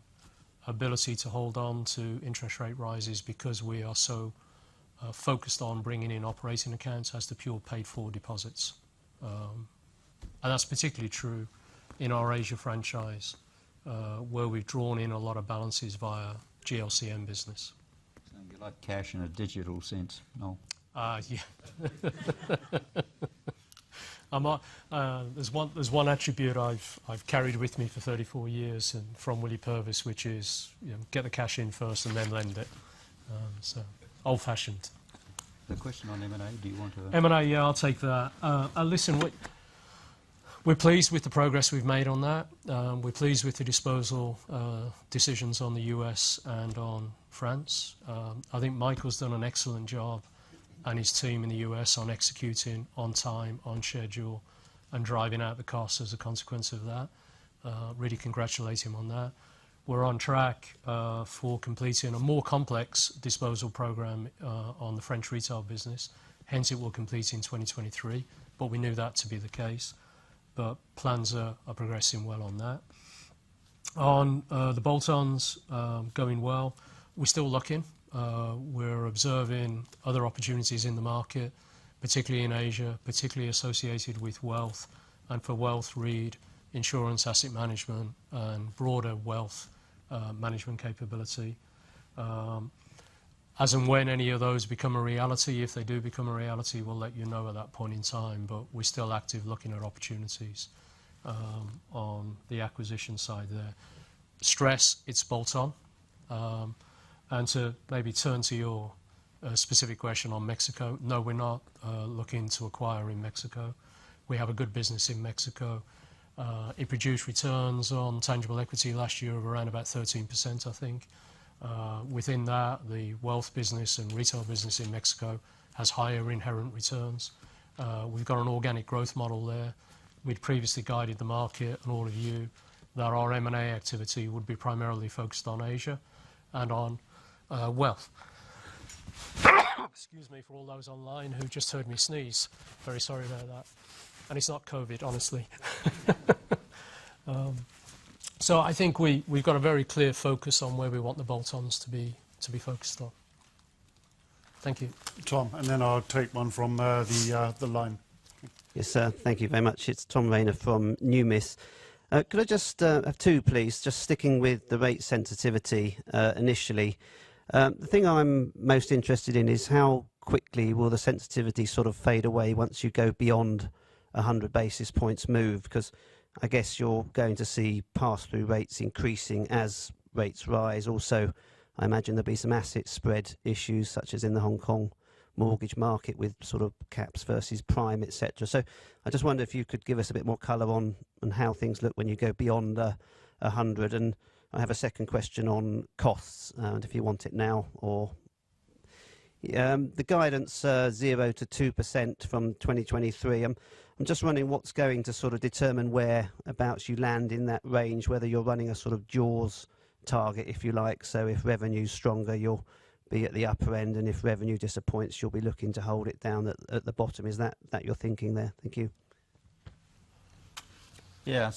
ability to hold on to interest rate rises because we are so focused on bringing in operating accounts as the pure paid for deposits. That's particularly true in our Asia franchise, where we've drawn in a lot of balances via GLCM business. Sounds like cash in a digital sense, Noel. There's one attribute I've carried with me for 34 years from Willie Purves, which is, you know, get the cash in first and then lend it. So old-fashioned. The question on M&A, do you want to M&A, yeah, I'll take that. Listen, we're pleased with the progress we've made on that. We're pleased with the disposal decisions on the U.S. and on France. I think Michael's done an excellent job and his team in the U.S. on executing on time, on schedule, and driving out the costs as a consequence of that. Really congratulate him on that. We're on track for completing a more complex disposal program on the French retail business. Hence, it will complete in 2023, but we knew that to be the case. Plans are progressing well on that. On the bolt-ons, going well. We're still looking. We're observing other opportunities in the market, particularly in Asia, particularly associated with wealth. For wealth, read insurance, asset management, and broader wealth management capability. As and when any of those become a reality, if they do become a reality, we'll let you know at that point in time, but we're still active looking at opportunities on the acquisition side there. Yes, it's bolt-on. To maybe turn to your specific question on Mexico. No, we're not looking to acquire in Mexico. We have a good business in Mexico. It produced returns on tangible equity last year of around about 13%, I think. Within that, the wealth business and retail business in Mexico has higher inherent returns. We've got an organic growth model there. We'd previously guided the market and all of you that our M&A activity would be primarily focused on Asia and on wealth. Excuse me for all those online who just heard me sneeze. Very sorry about that. It's not COVID, honestly. I think we've got a very clear focus on where we want the bolt-ons to be focused on. Thank you. Tom, I'll take one from the line. Yes, sir. Thank you very much. It's Tom Rayner from Numis. Could I just have two, please? Just sticking with the rate sensitivity, initially. The thing I'm most interested in is how quickly will the sensitivity sort of fade away once you go beyond 100 basis points move? Because I guess you're going to see pass-through rates increasing as rates rise. Also, I imagine there'll be some asset spread issues, such as in the Hong Kong mortgage market with sort of caps versus prime, et cetera. So, I just wonder if you could give us a bit more color on how things look when you go beyond 100. And I have a second question on costs, and if you want it now or... The guidance, 0%-2% from 2023. I'm just wondering what's going to sort of determine whereabouts you land in that range, whether you're running a sort of jaws target, if you like. If revenue is stronger, you'll be at the upper end, and if revenue disappoints, you'll be looking to hold it down at the bottom. Is that your thinking there? Thank you. Yeah.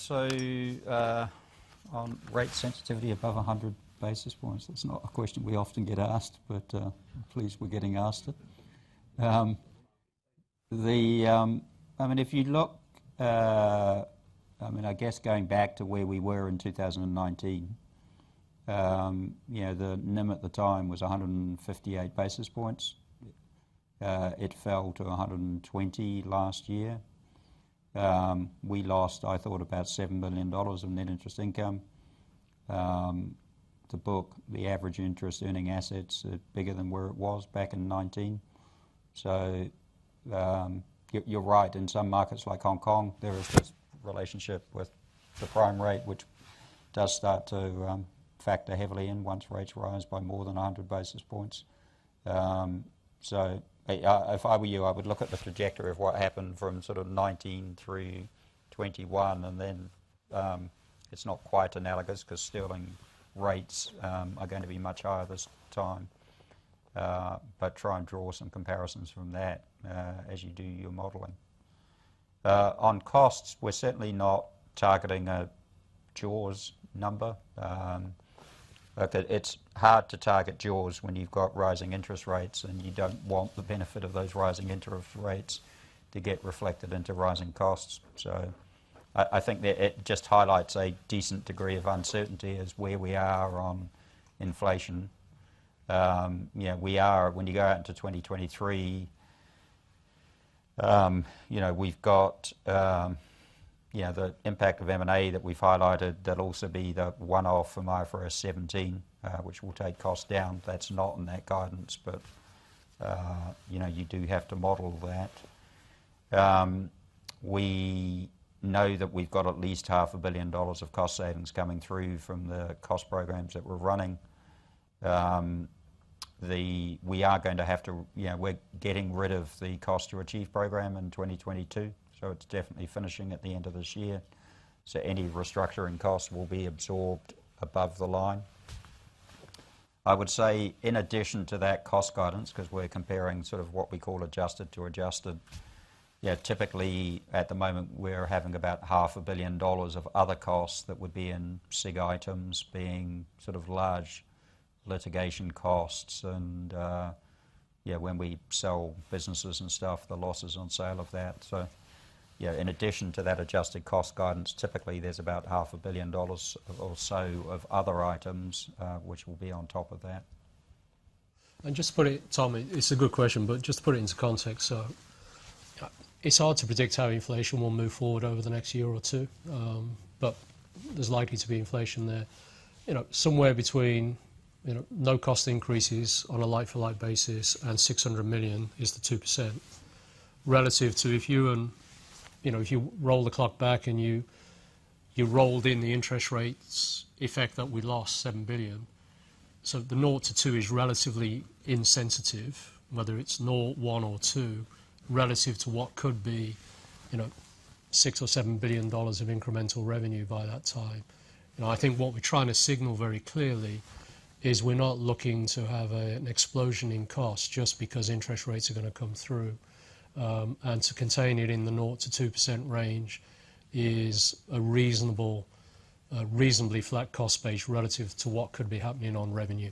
On rate sensitivity above 100 basis points, that's not a question we often get asked, but, I'm pleased we're getting asked it. I mean, if you look, I mean, I guess going back to where we were in 2019, you know, the NIM at the time was 158 basis points. Yeah. It fell to 120 last year. We lost, I thought, about $7 billion of net interest income. Today, the average interest-earning assets are bigger than where it was back in 2019. You're right. In some markets like Hong Kong, there is this relationship with the prime rate, which does start to factor heavily in once rates rise by more than 100 basis points. If I were you, I would look at the trajectory of what happened from sort of 2019 through 2021. It's not quite analogous because sterling rates are gonna be much higher this time, but try and draw some comparisons from that as you do your modeling. On costs, we're certainly not targeting a jaws number. That it's hard to target jaws when you've got rising interest rates, and you don't want the benefit of those rising interest rates to get reflected into rising costs. I think that it just highlights a decent degree of uncertainty as where we are on inflation. You know, when you go out into 2023, you know, we've got, you know, the impact of M&A that we've highlighted. There'll also be the one-off from IFRS 17, which will take costs down. That's not in that guidance, but, you know, you do have to model that. We know that we've got at least $0.5 billion of cost savings coming through from the cost programs that we're running. You know, we're getting rid of the Cost to Achieve program in 2022, so it's definitely finishing at the end of this year. Any restructuring costs will be absorbed above the line. I would say in addition to that cost guidance, because we're comparing sort of what we call adjusted to adjusted, you know, typically at the moment, we're having about $0.5 billion of other costs that would be in significant items being sort of large litigation costs and when we sell businesses and stuff, the losses on sale of that. You know, in addition to that adjusted cost guidance, typically there's about half a billion dollars or so of other items which will be on top of that. Just to put it, Tommy, it's a good question, but just to put it into context. It's hard to predict how inflation will move forward over the next year or two. But there's likely to be inflation there. You know, somewhere between, you know, no cost increases on a like-for-like basis and $600 million is the 2%. Relative to if you know, if you roll the clock back and you rolled in the interest rates effect that we lost $7 billion. The 0% to 2% is relatively insensitive, whether it's 0%, 1% or 2%, relative to what could be, you know, $6 billion or $7 billion of incremental revenue by that time. You know, I think what we're trying to signal very clearly is we're not looking to have an explosion in cost just because interest rates are gonna come through. To contain it in the 0%-2% range is a reasonably flat cost base relative to what could be happening on revenue.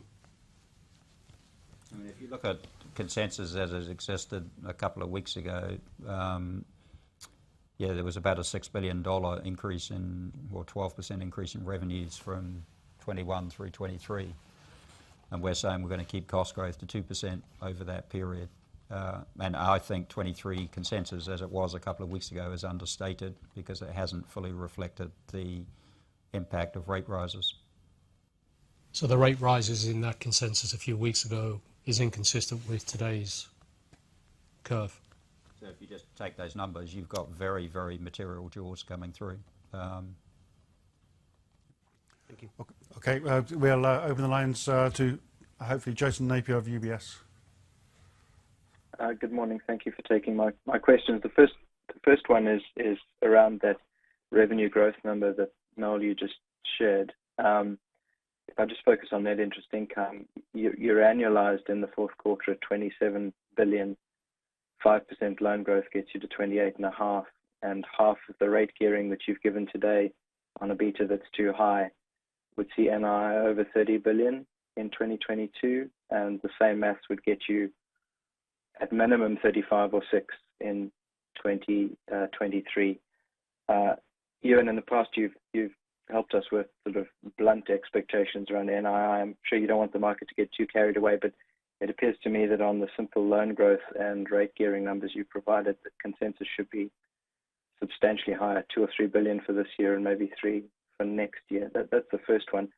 I mean, if you look at consensus as it existed a couple of weeks ago, there was about a $6 billion increase in or 12% increase in revenues from 2021 through 2023. We're saying we're gonna keep cost growth to 2% over that period. I think 2023 consensus as it was a couple of weeks ago, is understated because it hasn't fully reflected the impact of rate rises. The rate rises in that consensus a few weeks ago is inconsistent with today's curve. If you just take those numbers, you've got very, very material jaws coming through. Thank you. Okay. We'll open the lines to hopefully Jason Napier of UBS. Good morning. Thank you for taking my questions. The first one is around that revenue growth number that, Noel, you just shared. If I just focus on net interest income, your annualized in the fourth quarter at $27 billion, 5% loan growth gets you to 28.5. Half of the rate gearing that you've given today on a beta that's too high would see NII over $30 billion in 2022, and the same maths would get you at minimum 35 or 36 in 2023. Ewen, in the past, you've helped us with sort of blunt expectations around NII. I'm sure you don't want the market to get too carried away, but it appears to me that on the simple loan growth and rate gearing numbers you've provided, the consensus should be substantially higher, $2 billion-$3 billion for this year and maybe $3 billion for next year. That's the first one.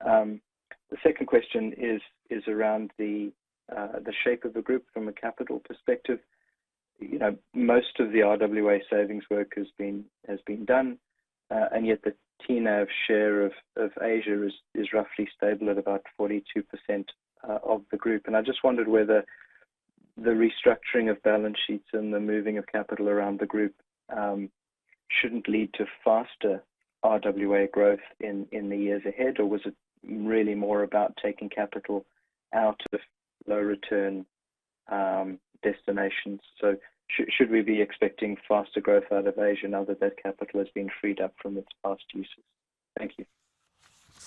The second question is around the shape of the group from a capital perspective. You know, most of the RWA savings work has been done, and yet the TNAV share of Asia is roughly stable at about 42% of the group. I just wondered whether the restructuring of balance sheets and the moving of capital around the group shouldn't lead to faster RWA growth in the years ahead? Or was it really more about taking capital out of low return destinations? Should we be expecting faster growth out of Asia now that capital has been freed up from its past uses? Thank you.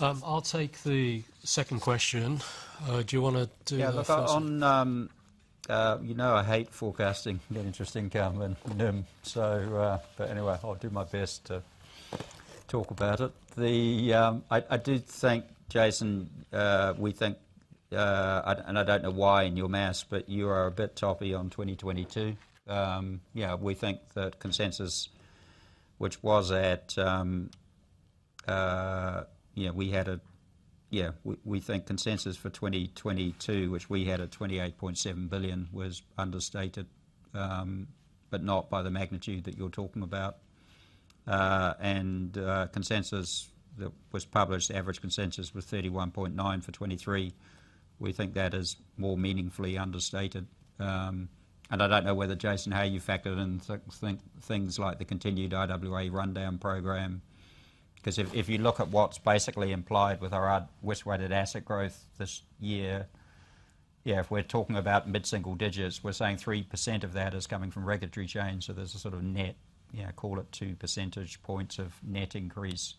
I'll take the second question. Do you wanna do the first one? You know, I hate forecasting net interest income and NIM. Anyway, I'll do my best to talk about it. I do think, Jason, we think, and I don't know why in your math, but you are a bit toppy on 2022. We think that consensus, which was at, we think consensus for 2022, which we had at $28.7 billion, was understated, but not by the magnitude that you're talking about. Consensus that was published, average consensus was $31.9 billion for 2023. We think that is more meaningfully understated. I don't know whether, Jason, how you factored in things like the continued RWA rundown program. Because if you look at what's basically implied with our risk-weighted asset growth this year. Yeah, if we're talking about mid-single digits, we're saying 3% of that is coming from regulatory change, so there's a sort of net, you know, call it 2 percentage points of net increase,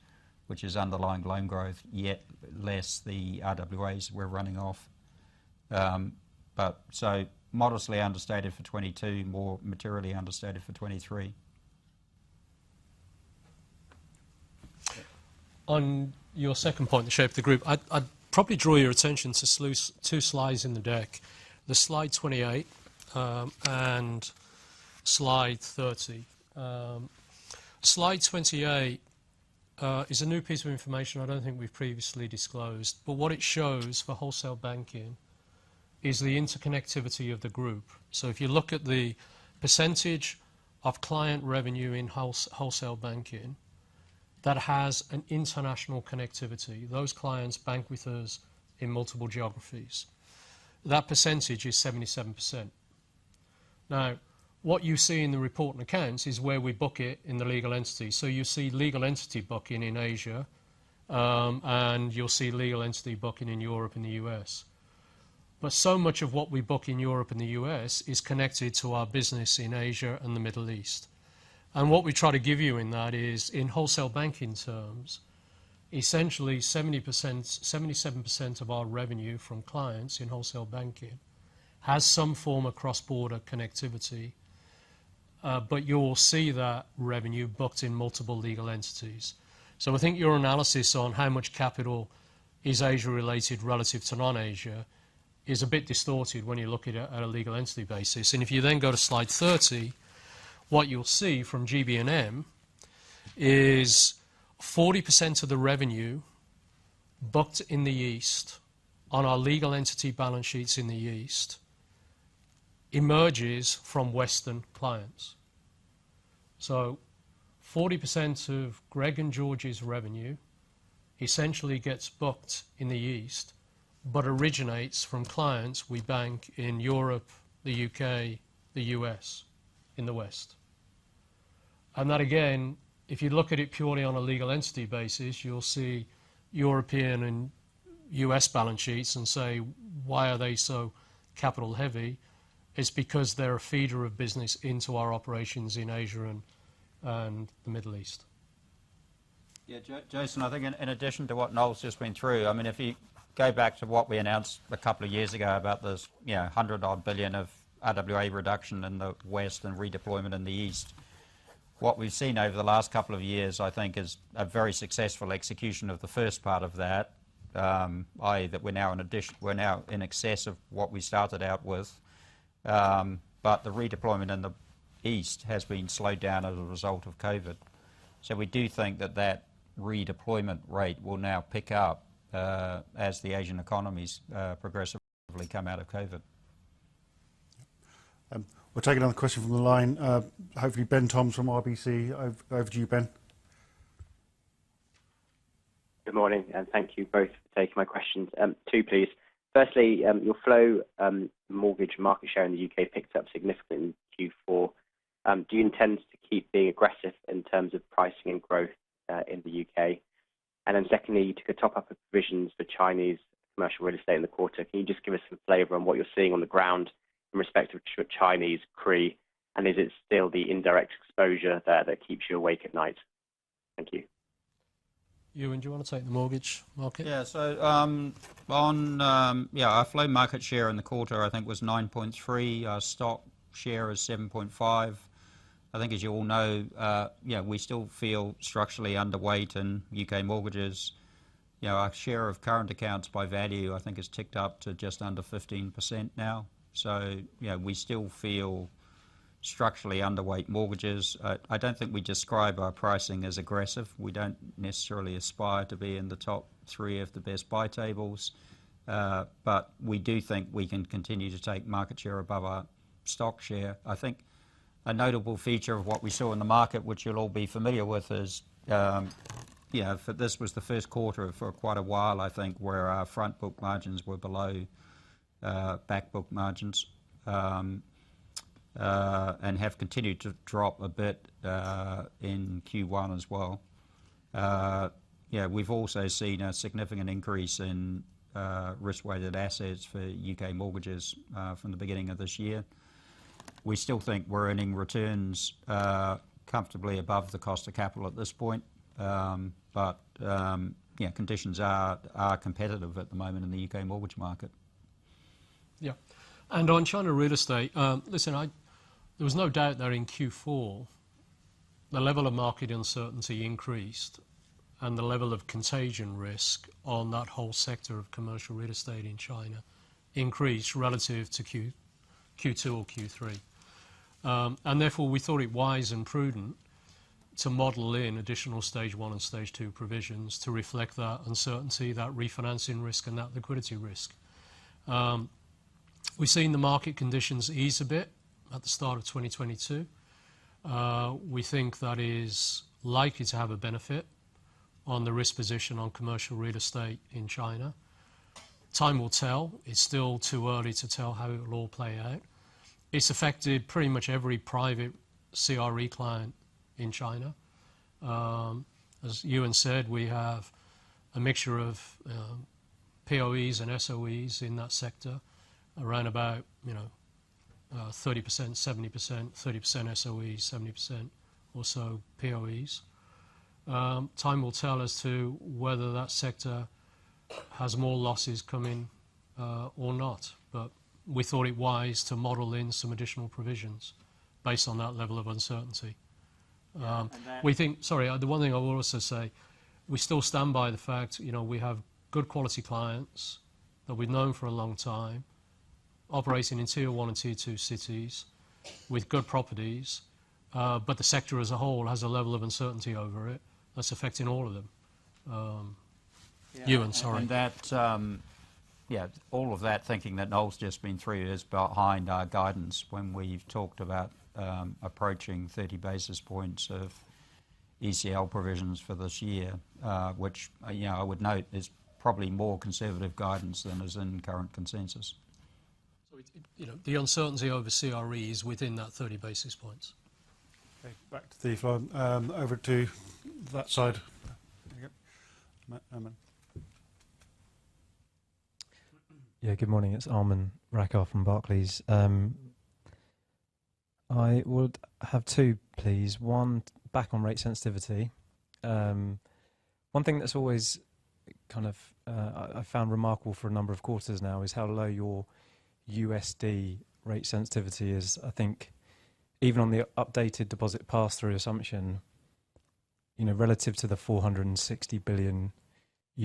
which is underlying loan growth, net less the RWAs we're running off. So modestly understated for 2022, more materially understated for 2023. On your second point, the shape of the group, I'd probably draw your attention to two slides in the deck. Slide 28 and slide 30. Slide 28 is a new piece of information I don't think we've previously disclosed. But what it shows for wholesale banking is the interconnectivity of the group. If you look at the percentage of client revenue in wholesale banking that has an international connectivity, those clients bank with us in multiple geographies. That percentage is 77%. Now, what you see in the report and accounts is where we book it in the legal entity. You see legal entity booking in Asia, and you'll see legal entity booking in Europe and the U.S. But so much of what we book in Europe and the U.S. is connected to our business in Asia and the Middle East. What we try to give you in that is, in wholesale banking terms, essentially 77% of our revenue from clients in wholesale banking has some form of cross-border connectivity, but you'll see that revenue booked in multiple legal entities. I think your analysis on how much capital is Asia related relative to non-Asia is a bit distorted when you look at it at a legal entity basis. If you then go to slide 30, what you'll see from GB&M is 40% of the revenue booked in the East on our legal entity balance sheets in the East emerges from Western clients. 40% of Greg and George's revenue essentially gets booked in the East, but originates from clients we bank in Europe, the U.K., the U.S., in the West. That again, if you look at it purely on a legal entity basis, you'll see European and U.S. balance sheets and say, "Why are they so capital heavy?" It's because they're a feeder of business into our operations in Asia and the Middle East. Yeah, Jason, I think in addition to what Noel's just been through, I mean, if you go back to what we announced a couple of years ago about this, you know, $100 billion of RWA reduction in the West and redeployment in the East, what we've seen over the last couple of years, I think, is a very successful execution of the first part of that, i.e., that we're now in excess of what we started out with, but the redeployment in the East has been slowed down as a result of COVID. We do think that redeployment rate will now pick up as the Asian economies progressively come out of COVID. We'll take another question from the line. Hopefully, Ben Toms from RBC. Over to you, Ben. Good morning, and thank you both for taking my questions. Two, please. Firstly, your flow, mortgage market share in the U.K. picked up significantly in Q4. Do you intend to keep being aggressive in terms of pricing and growth in the U.K.? Then secondly, you took a top-up of provisions for Chinese commercial real estate in the quarter. Can you just give us some flavor on what you're seeing on the ground in respect of Chinese CRE, and is it still the indirect exposure there that keeps you awake at night? Thank you. Ewen, do you wanna take the mortgage market? Yeah. Our flow market share in the quarter I think was 9.3%. Our stock share is 7.5%. I think as you all know, you know, we still feel structurally underweight in U.K. mortgages. You know, our share of current accounts by value, I think, has ticked up to just under 15% now. You know, we still feel structurally underweight mortgages. I don't think we describe our pricing as aggressive. We don't necessarily aspire to be in the top three of the best buy tables, but we do think we can continue to take market share above our stock share. I think a notable feature of what we saw in the market, which you'll all be familiar with, is, you know, this was the first quarter for quite a while, I think, where our front book margins were below back book margins and have continued to drop a bit in Q1 as well. You know, we've also seen a significant increase in risk-weighted assets for U.K. mortgages from the beginning of this year. We still think we're earning returns comfortably above the cost of capital at this point. You know, conditions are competitive at the moment in the U.K. mortgage market. On China real estate, there was no doubt that in Q4, the level of market uncertainty increased and the level of contagion risk on that whole sector of commercial real estate in China increased relative to Q2 or Q3. Therefore, we thought it wise and prudent to model in additional Stage 1 and Stage 2 provisions to reflect that uncertainty, that refinancing risk, and that liquidity risk. We've seen the market conditions ease a bit at the start of 2022. We think that is likely to have a benefit on the risk position on commercial real estate in China. Time will tell. It's still too early to tell how it'll all play out. It's affected pretty much every private CRE client in China. As Ewen said, we have a mixture of POEs and SOEs in that sector. Around about, you know, 30%, 70%. 30% SOEs, 70% or so POEs. Time will tell as to whether that sector has more losses coming, or not. But we thought it wise to model in some additional provisions based on that level of uncertainty. Yeah. Sorry, the one thing I will also say, we still stand by the fact, you know, we have good quality clients that we've known for a long time, operating in tier one and tier two cities with good properties. The sector as a whole has a level of uncertainty over it that's affecting all of them. Yeah. Ewen, sorry. All of that thinking that Noel's just been three years behind our guidance when we've talked about approaching 30 basis points of ECL provisions for this year, which, you know, I would note is probably more conservative guidance than is in current consensus. You know, the uncertainty over CRE is within that 30 basis points. Okay, back to the floor. Over to that side. There you go. Aman. Good morning. It's Aman Rakkar from Barclays. I would have two, please. One, back on rate sensitivity. One thing that's always kind of, I've found remarkable for a number of quarters now is how low your USD rate sensitivity is. I think even on the updated deposit pass-through assumption, you know, relative to the $460 billion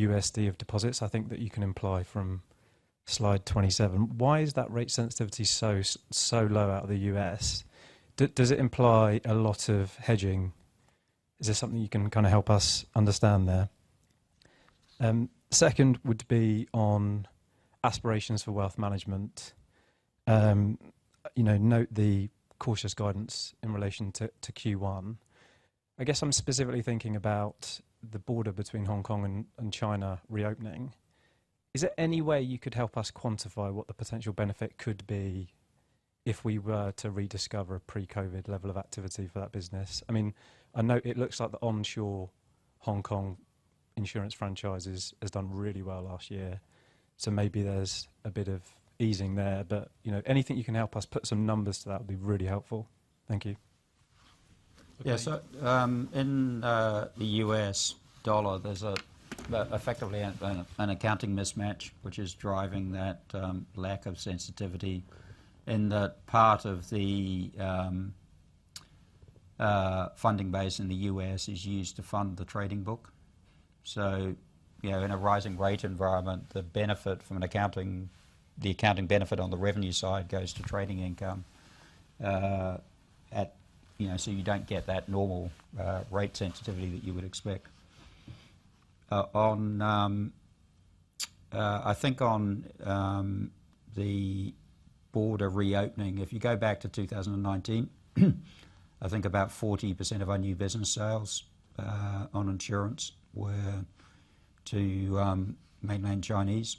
of deposits, I think that you can imply from slide 27, why is that rate sensitivity so low out of the U.S.? Does it imply a lot of hedging? Is there something you can kind of help us understand there? Second would be on aspirations for wealth management. You know, note the cautious guidance in relation to Q1. I guess I'm specifically thinking about the border between Hong Kong and China reopening. Is there any way you could help us quantify what the potential benefit could be if we were to rediscover a pre-COVID level of activity for that business? I mean, I know it looks like the onshore Hong Kong insurance franchises has done really well last year, so maybe there's a bit of easing there. You know, anything you can help us put some numbers to that would be really helpful. Thank you. Yeah. In the US dollar, there's effectively an accounting mismatch, which is driving that lack of sensitivity in that part of the funding base in the U.S. is used to fund the trading book. You know, in a rising rate environment, the accounting benefit on the revenue side goes to trading income, so you don't get that normal rate sensitivity that you would expect. I think, on the border reopening, if you go back to 2019, I think about 40% of our new business sales on insurance were to mainland Chinese.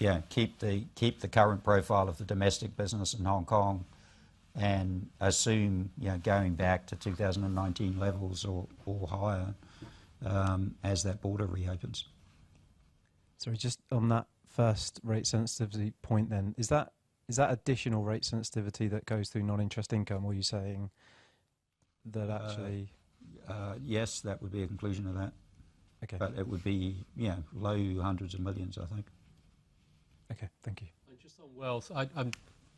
Yeah, keep the current profile of the domestic business in Hong Kong and assume, you know, going back to 2019 levels or higher, as that border reopens. Sorry, just on that first-rate sensitivity point then, is that additional rate sensitivity that goes through non-interest income? Or you're saying that actually. Yes, that would be a conclusion of that. Okay. It would be, you know, low hundreds of millions, I think. Okay. Thank you. Just on wealth,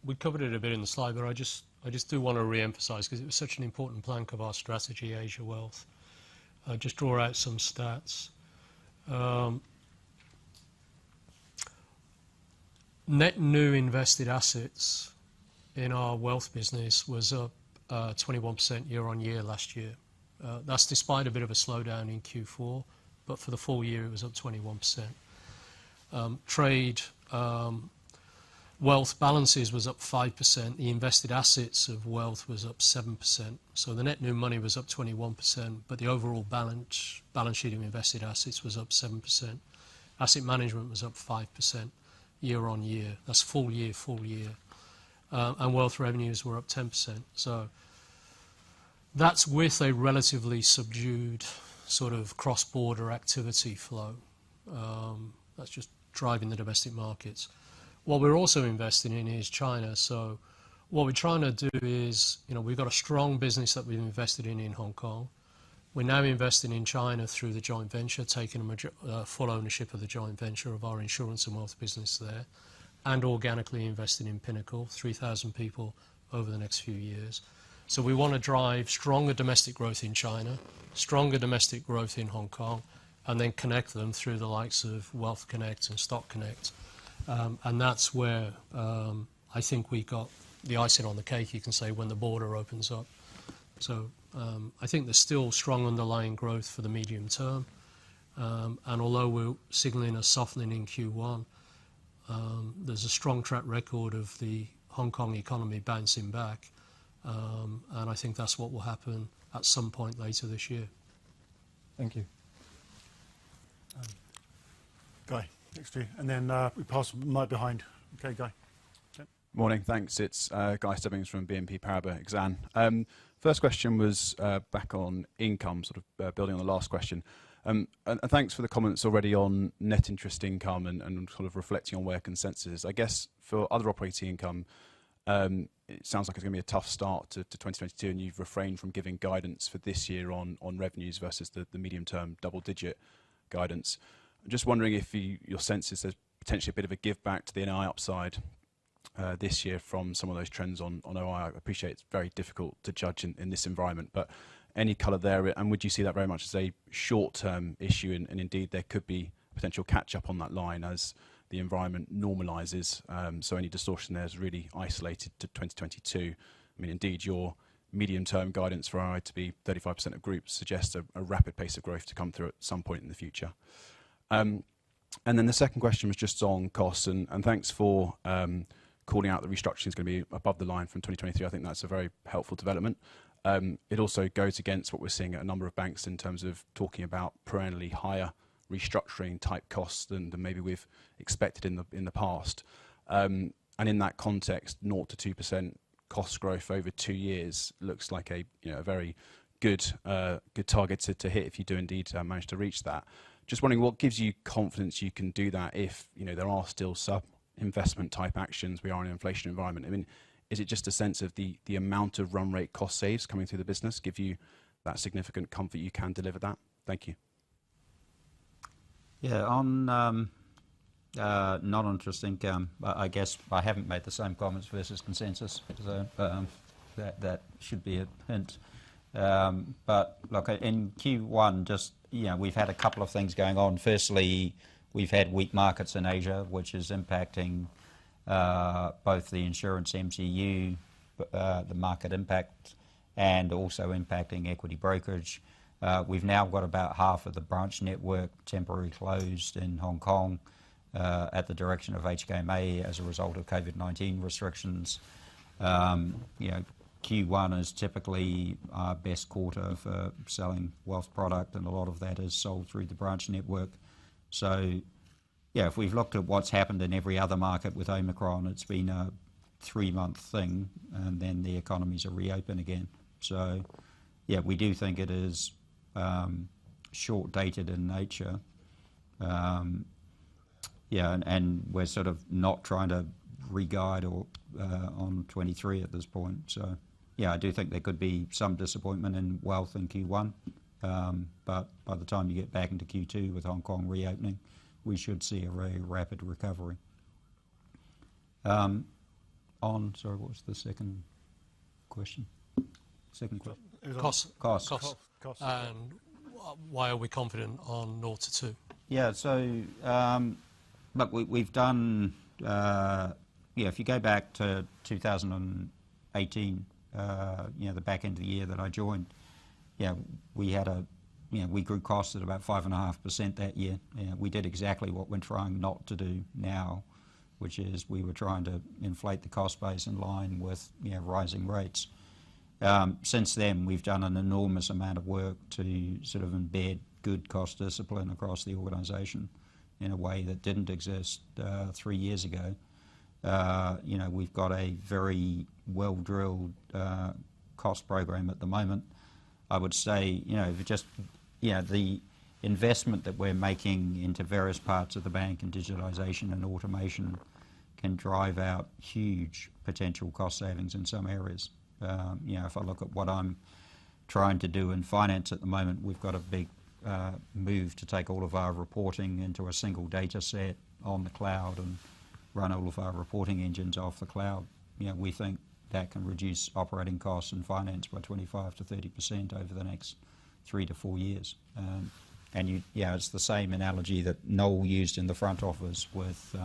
we've covered it a bit in the slide, but I just do want to reemphasize because it was such an important plank of our strategy, Asia wealth. I'll just draw out some stats. Net new invested assets in our wealth business was up 21% year-on-year last year. That's despite a bit of a slowdown in Q4, but for the full year, it was up 21%. Traded wealth balances was up 5%. The invested assets of wealth was up 7%. So, the net new money was up 21%. But the overall balance sheet of invested assets was up 7%. Asset management was up 5% year-on-year. That's full year. And wealth revenues were up 10%. That's with a relatively subdued sort of cross-border activity flow. That's just driving the domestic markets. What we're also investing in is China. What we're trying to do is, you know, we've got a strong business that we've invested in Hong Kong. We're now investing in China through the joint venture, taking full ownership of the joint venture of our insurance and wealth business there, and organically investing in Pinnacle, 3,000 people over the next few years. We wanna drive stronger domestic growth in China, stronger domestic growth in Hong Kong, and then connect them through the likes of Wealth Connect and Stock Connect. That's where, I think we got the icing on the cake, you can say, when the border opens up. I think there's still strong underlying growth for the medium term. Although we're signaling a softening in Q1, there's a strong track record of the Hong Kong economy bouncing back. I think that's what will happen at some point later this year. Thank you. Guy, next to you. We pass right behind. Okay, Guy. Morning. Thanks. It's Guy Stebbings from BNP Paribas Exane. First question was back on income, sort of, building on the last question. And thanks for the comments already on net interest income and sort of reflecting on where consensus is. I guess for other operating income, it sounds like it's gonna be a tough start to 2022, and you've refrained from giving guidance for this year on revenues versus the medium-term double-digit guidance. I'm just wondering if your sense is there's potentially a bit of a give back to the NI upside this year from some of those trends on OI. I appreciate it's very difficult to judge in this environment. Any color there? Would you see that very much as a short-term issue and indeed there could be potential catch-up on that line as the environment normalizes? Any distortion there is really isolated to 2022. I mean, indeed, your medium-term guidance for OI to be 35% of Group's suggests a rapid pace of growth to come through at some point in the future. The second question was just on costs and thanks for calling out the restructuring is gonna be above the line from 2023. I think that's a very helpful development. It also goes against what we're seeing at a number of banks in terms of talking about perennially higher restructuring type costs than maybe we've expected in the past. In that context, 0%-2% cost growth over two years looks like a very good target to hit if you do indeed manage to reach that. Just wondering what gives you confidence you can do that if, you know, there are still sub-investment type actions. We are in an inflation environment. I mean, is it just a sense of the amount of run rate cost saves coming through the business give you that significant comfort you can deliver that? Thank you. Yeah. On non-interest income, I guess I haven't made the same comments versus consensus. That should be a hint. Look, in Q1 just we've had a couple of things going on. Firstly, we've had weak markets in Asia, which is impacting both the insurance MGU, the market impact and also impacting equity brokerage. We've now got about half of the branch network temporarily closed in Hong Kong at the direction of HKMA as a result of COVID-19 restrictions. Q1 is typically our best quarter for selling wealth product, and a lot of that is sold through the branch network. Yeah, if we've looked at what's happened in every other market with Omicron, it's been a three-month thing, and then the economies are reopen again. We do think it is short-dated in nature. We're sort of not trying to re-guide on 2023 at this point. I do think there could be some disappointment in wealth in Q1. By the time you get back into Q2 with Hong Kong reopening, we should see a very rapid recovery. Sorry, what was the second question? Second question? Cost. Costs. Cost. Why are we confident on 0%-2%? If you go back to 2018, you know, the back end of the year that I joined, you know, we had, you know, we grew costs at about 5.5% that year. You know, we did exactly what we're trying not to do now, which is we were trying to inflate the cost base in line with, you know, rising rates. Since then, we've done an enormous amount of work to sort of embed good cost discipline across the organization in a way that didn't exist three years ago. You know, we've got a very well-drilled cost program at the moment. I would say, you know, if you just, you know, the investment that we're making into various parts of the bank and digitalization, and automation can drive out huge potential cost savings in some areas. You know, if I look at what I'm trying to do in finance at the moment, we've got a big move to take all of our reporting into a single dataset on the cloud and run all of our reporting engines off the cloud. You know, we think that can reduce operating costs in finance by 25%-30% over the next three-four years. It's the same analogy that Noel used in the front office with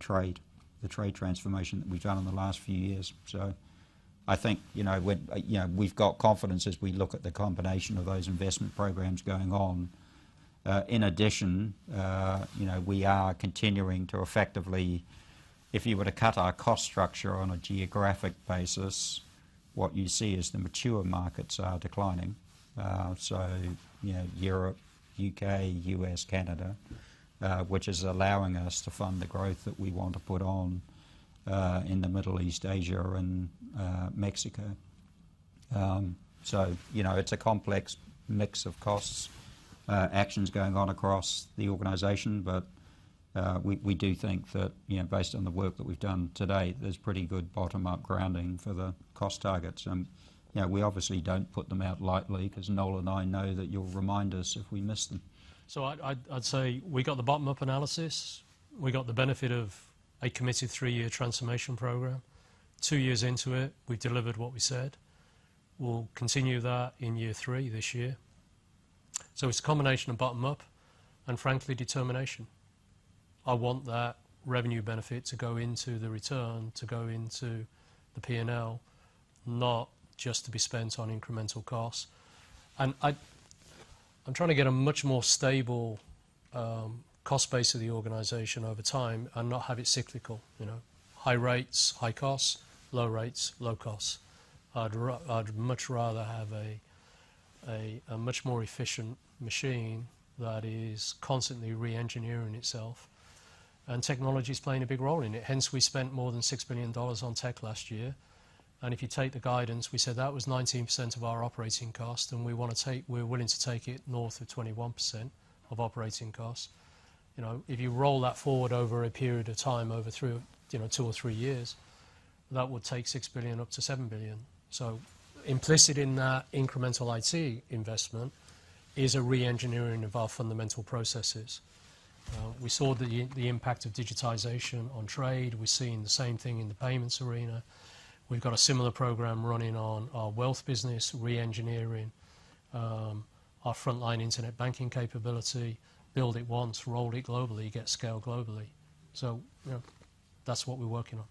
trade, the trade transformation that we've done in the last few years. I think, you know, when we've got confidence as we look at the combination of those investment programs going on. In addition, you know, we are continuing to effectively, if you were to cut our cost structure on a geographic basis, what you see is the mature markets are declining. You know, Europe, U.K., U.S., Canada, which is allowing us to fund the growth that we want to put on, in the Middle East, Asia and Mexico. You know, it's a complex mix of costs, actions going on across the organization. We do think that, you know, based on the work that we've done to date, there's pretty good bottom-up grounding for the cost targets. You know, we obviously don't put them out lightly because Noel and I know that you'll remind us if we miss them. I'd say we got the bottom-up analysis. We got the benefit of a committed three-year transformation program. Two years into it, we've delivered what we said. We'll continue that in year three this year. It's a combination of bottom up and frankly, determination. I want that revenue benefit to go into the return, to go into the P&L, not just to be spent on incremental costs. I'm trying to get a much more stable, Cost base of the organization over time and not have it cyclical, you know? High rates, high costs. Low rates, low costs. I'd much rather have a much more efficient machine that is constantly re-engineering itself, and technology's playing a big role in it. Hence, we spent more than $6 billion on tech last year. If you take the guidance, we said that was 19% of our operating cost, and we're willing to take it north of 21% of operating costs. You know, if you roll that forward over a period of time over three, you know, two or three years, that would take $6 billion-$7 billion. Implicit in that incremental IT investment is a re-engineering of our fundamental processes. We saw the impact of digitization on trade. We're seeing the same thing in the payments arena. We've got a similar program running on our wealth business, re-engineering our frontline internet banking capability. Build it once, roll it globally, get scale globally. You know, that's what we're working on.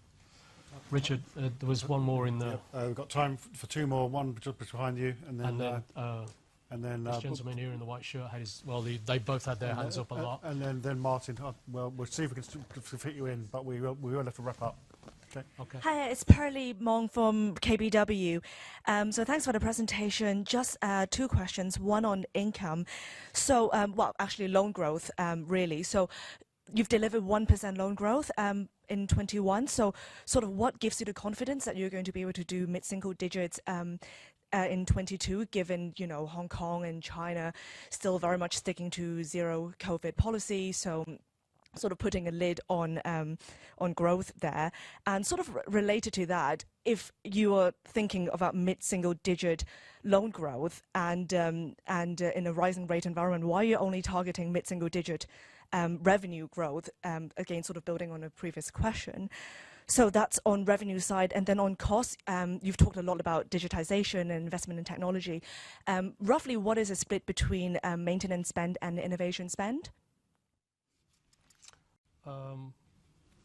Richard, there was one more in there. Yeah. We've got time for two more. One just behind you, and then. And then, uh- And then, uh- Well, they both had their hands up a lot. Martin. Well, we'll see if we can still fit you in, but we will have to wrap up. Okay. Okay. Hi. It's Perlie Mong from KBW. Thanks for the presentation. Just two questions, one on income. Well, actually loan growth, really. You've delivered 1% loan growth in 2021. What gives you the confidence that you're going to be able to do mid-single digits in 2022 given, you know, Hong Kong and China still very much sticking to zero COVID policy, so sort of putting a lid on growth there? Related to that, if you are thinking about mid-single digit loan growth and in a rising rate environment, why are you only targeting mid-single digit revenue growth? Again, sort of building on a previous question. That's on revenue side. Then on cost, you've talked a lot about digitization and investment in technology. Roughly, what is the split between maintenance spend and innovation spend?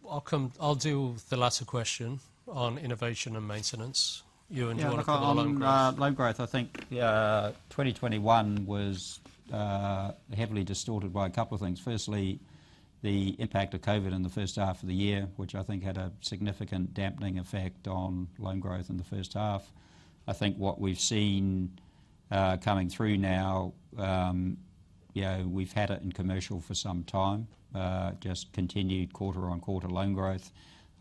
I'll do the latter question on innovation and maintenance. Ewen, do you wanna comment on loan growth? Yeah. Look, on loan growth, I think 2021 was heavily distorted by a couple of things. Firstly, the impact of COVID in the first half of the year, which I think had a significant dampening effect on loan growth in the first half. I think what we've seen coming through now, you know, we've had it in commercial for some time, just continued quarter-on-quarter loan growth.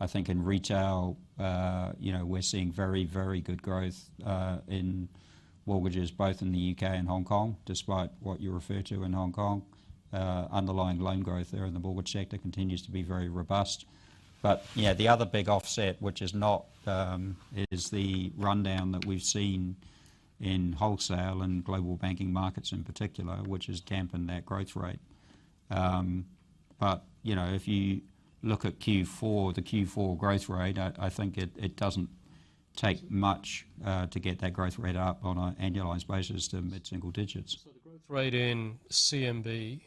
I think in retail, you know, we're seeing very, very good growth in mortgages both in the U.K. and Hong Kong, despite what you refer to in Hong Kong. Underlying loan growth there in the mortgage sector continues to be very robust. You know, the other big offset, which is the rundown that we've seen in wholesale and global banking markets in particular, which has dampened that growth rate. You know, if you look at Q4, the Q4 growth rate, I think it doesn't take much to get that growth rate up on an annualized basis to mid-single digits. The growth rate in CMB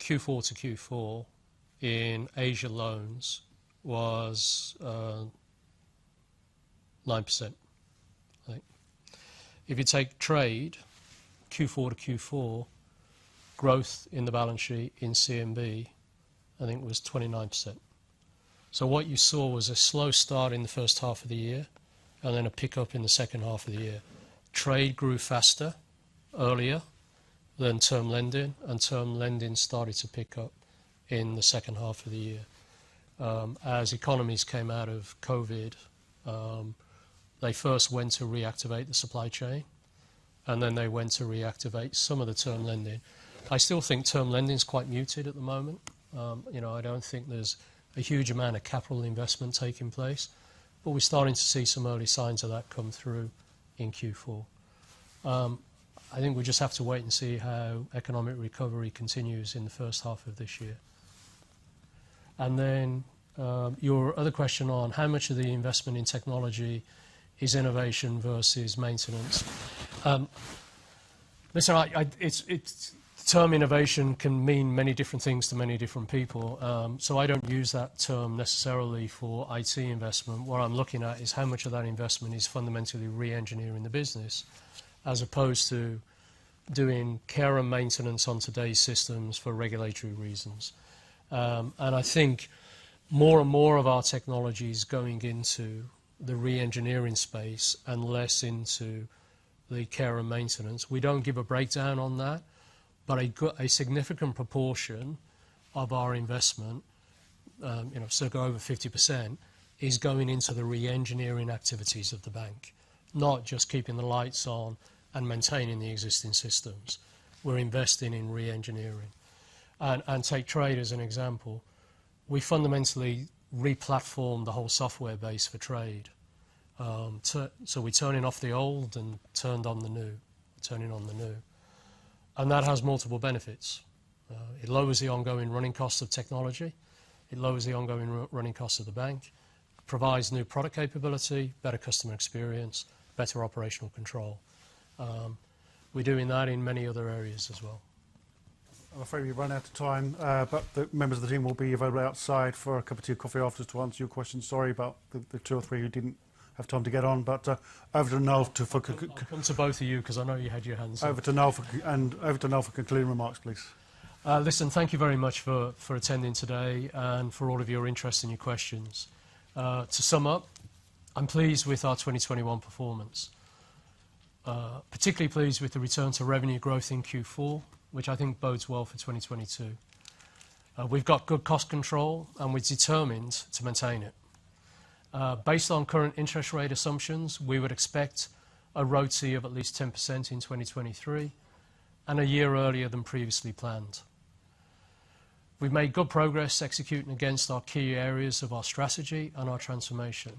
Q4 to Q4 in Asia loans was 9%, I think. If you take trade Q4 to Q4, growth in the balance sheet in CMB, I think it was 29%. What you saw was a slow start in the first half of the year, and then a pickup in the second half of the year. Trade grew faster earlier than term lending, and term lending started to pick up in the second half of the year. As economies came out of COVID, they first went to reactivate the supply chain, and then they went to reactivate some of the term lending. I still think term lending's quite muted at the moment. You know, I don't think there's a huge amount of capital investment taking place. We're starting to see some early signs of that come through in Q4. I think we just have to wait and see how economic recovery continues in the first half of this year. Your other question on how much of the investment in technology is innovation versus maintenance. The term innovation can mean many different things to many different people, so I don't use that term necessarily for IT investment. What I'm looking at is how much of that investment is fundamentally re-engineering the business as opposed to doing care and maintenance on today's systems for regulatory reasons. I think more and more of our technology's going into the re-engineering space and less into the care and maintenance. We don't give a breakdown on that, but a significant proportion of our investment, circa over 50%, is going into the re-engineering activities of the bank, not just keeping the lights on and maintaining the existing systems. We're investing in re-engineering. Take trade as an example. We fundamentally replatformed the whole software base for trade. So, we're turning off the old and turning on the new. That has multiple benefits. It lowers the ongoing running costs of technology. It lowers the ongoing running costs of the bank. Provides new product capability, better customer experience, better operational control. We're doing that in many other areas as well. I'm afraid we've run out of time. The members of the team will be available outside for a cup of tea or coffee after to answer your questions. Sorry about the two or three who didn't have time to get on. Over to Noel to fo- I'll come to both of you 'cause I know you had your hands up. Over to Noel for concluding remarks, please. Listen. Thank you very much for attending today and for all of your interest and your questions. To sum up, I'm pleased with our 2021 performance. Particularly pleased with the return to revenue growth in Q4, which I think bodes well for 2022. We've got good cost control, and we're determined to maintain it. Based on current interest rate assumptions, we would expect a ROTCE of at least 10% in 2023, and a year earlier than previously planned. We've made good progress executing against our key areas of our strategy and our transformation,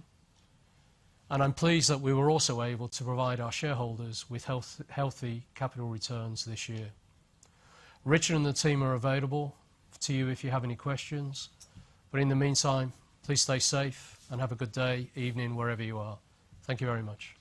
and I'm pleased that we were also able to provide our shareholders with healthy capital returns this year. Richard and the team are available to you if you have any questions. In the meantime, please stay safe and have a good day, evening, wherever you are. Thank you very much.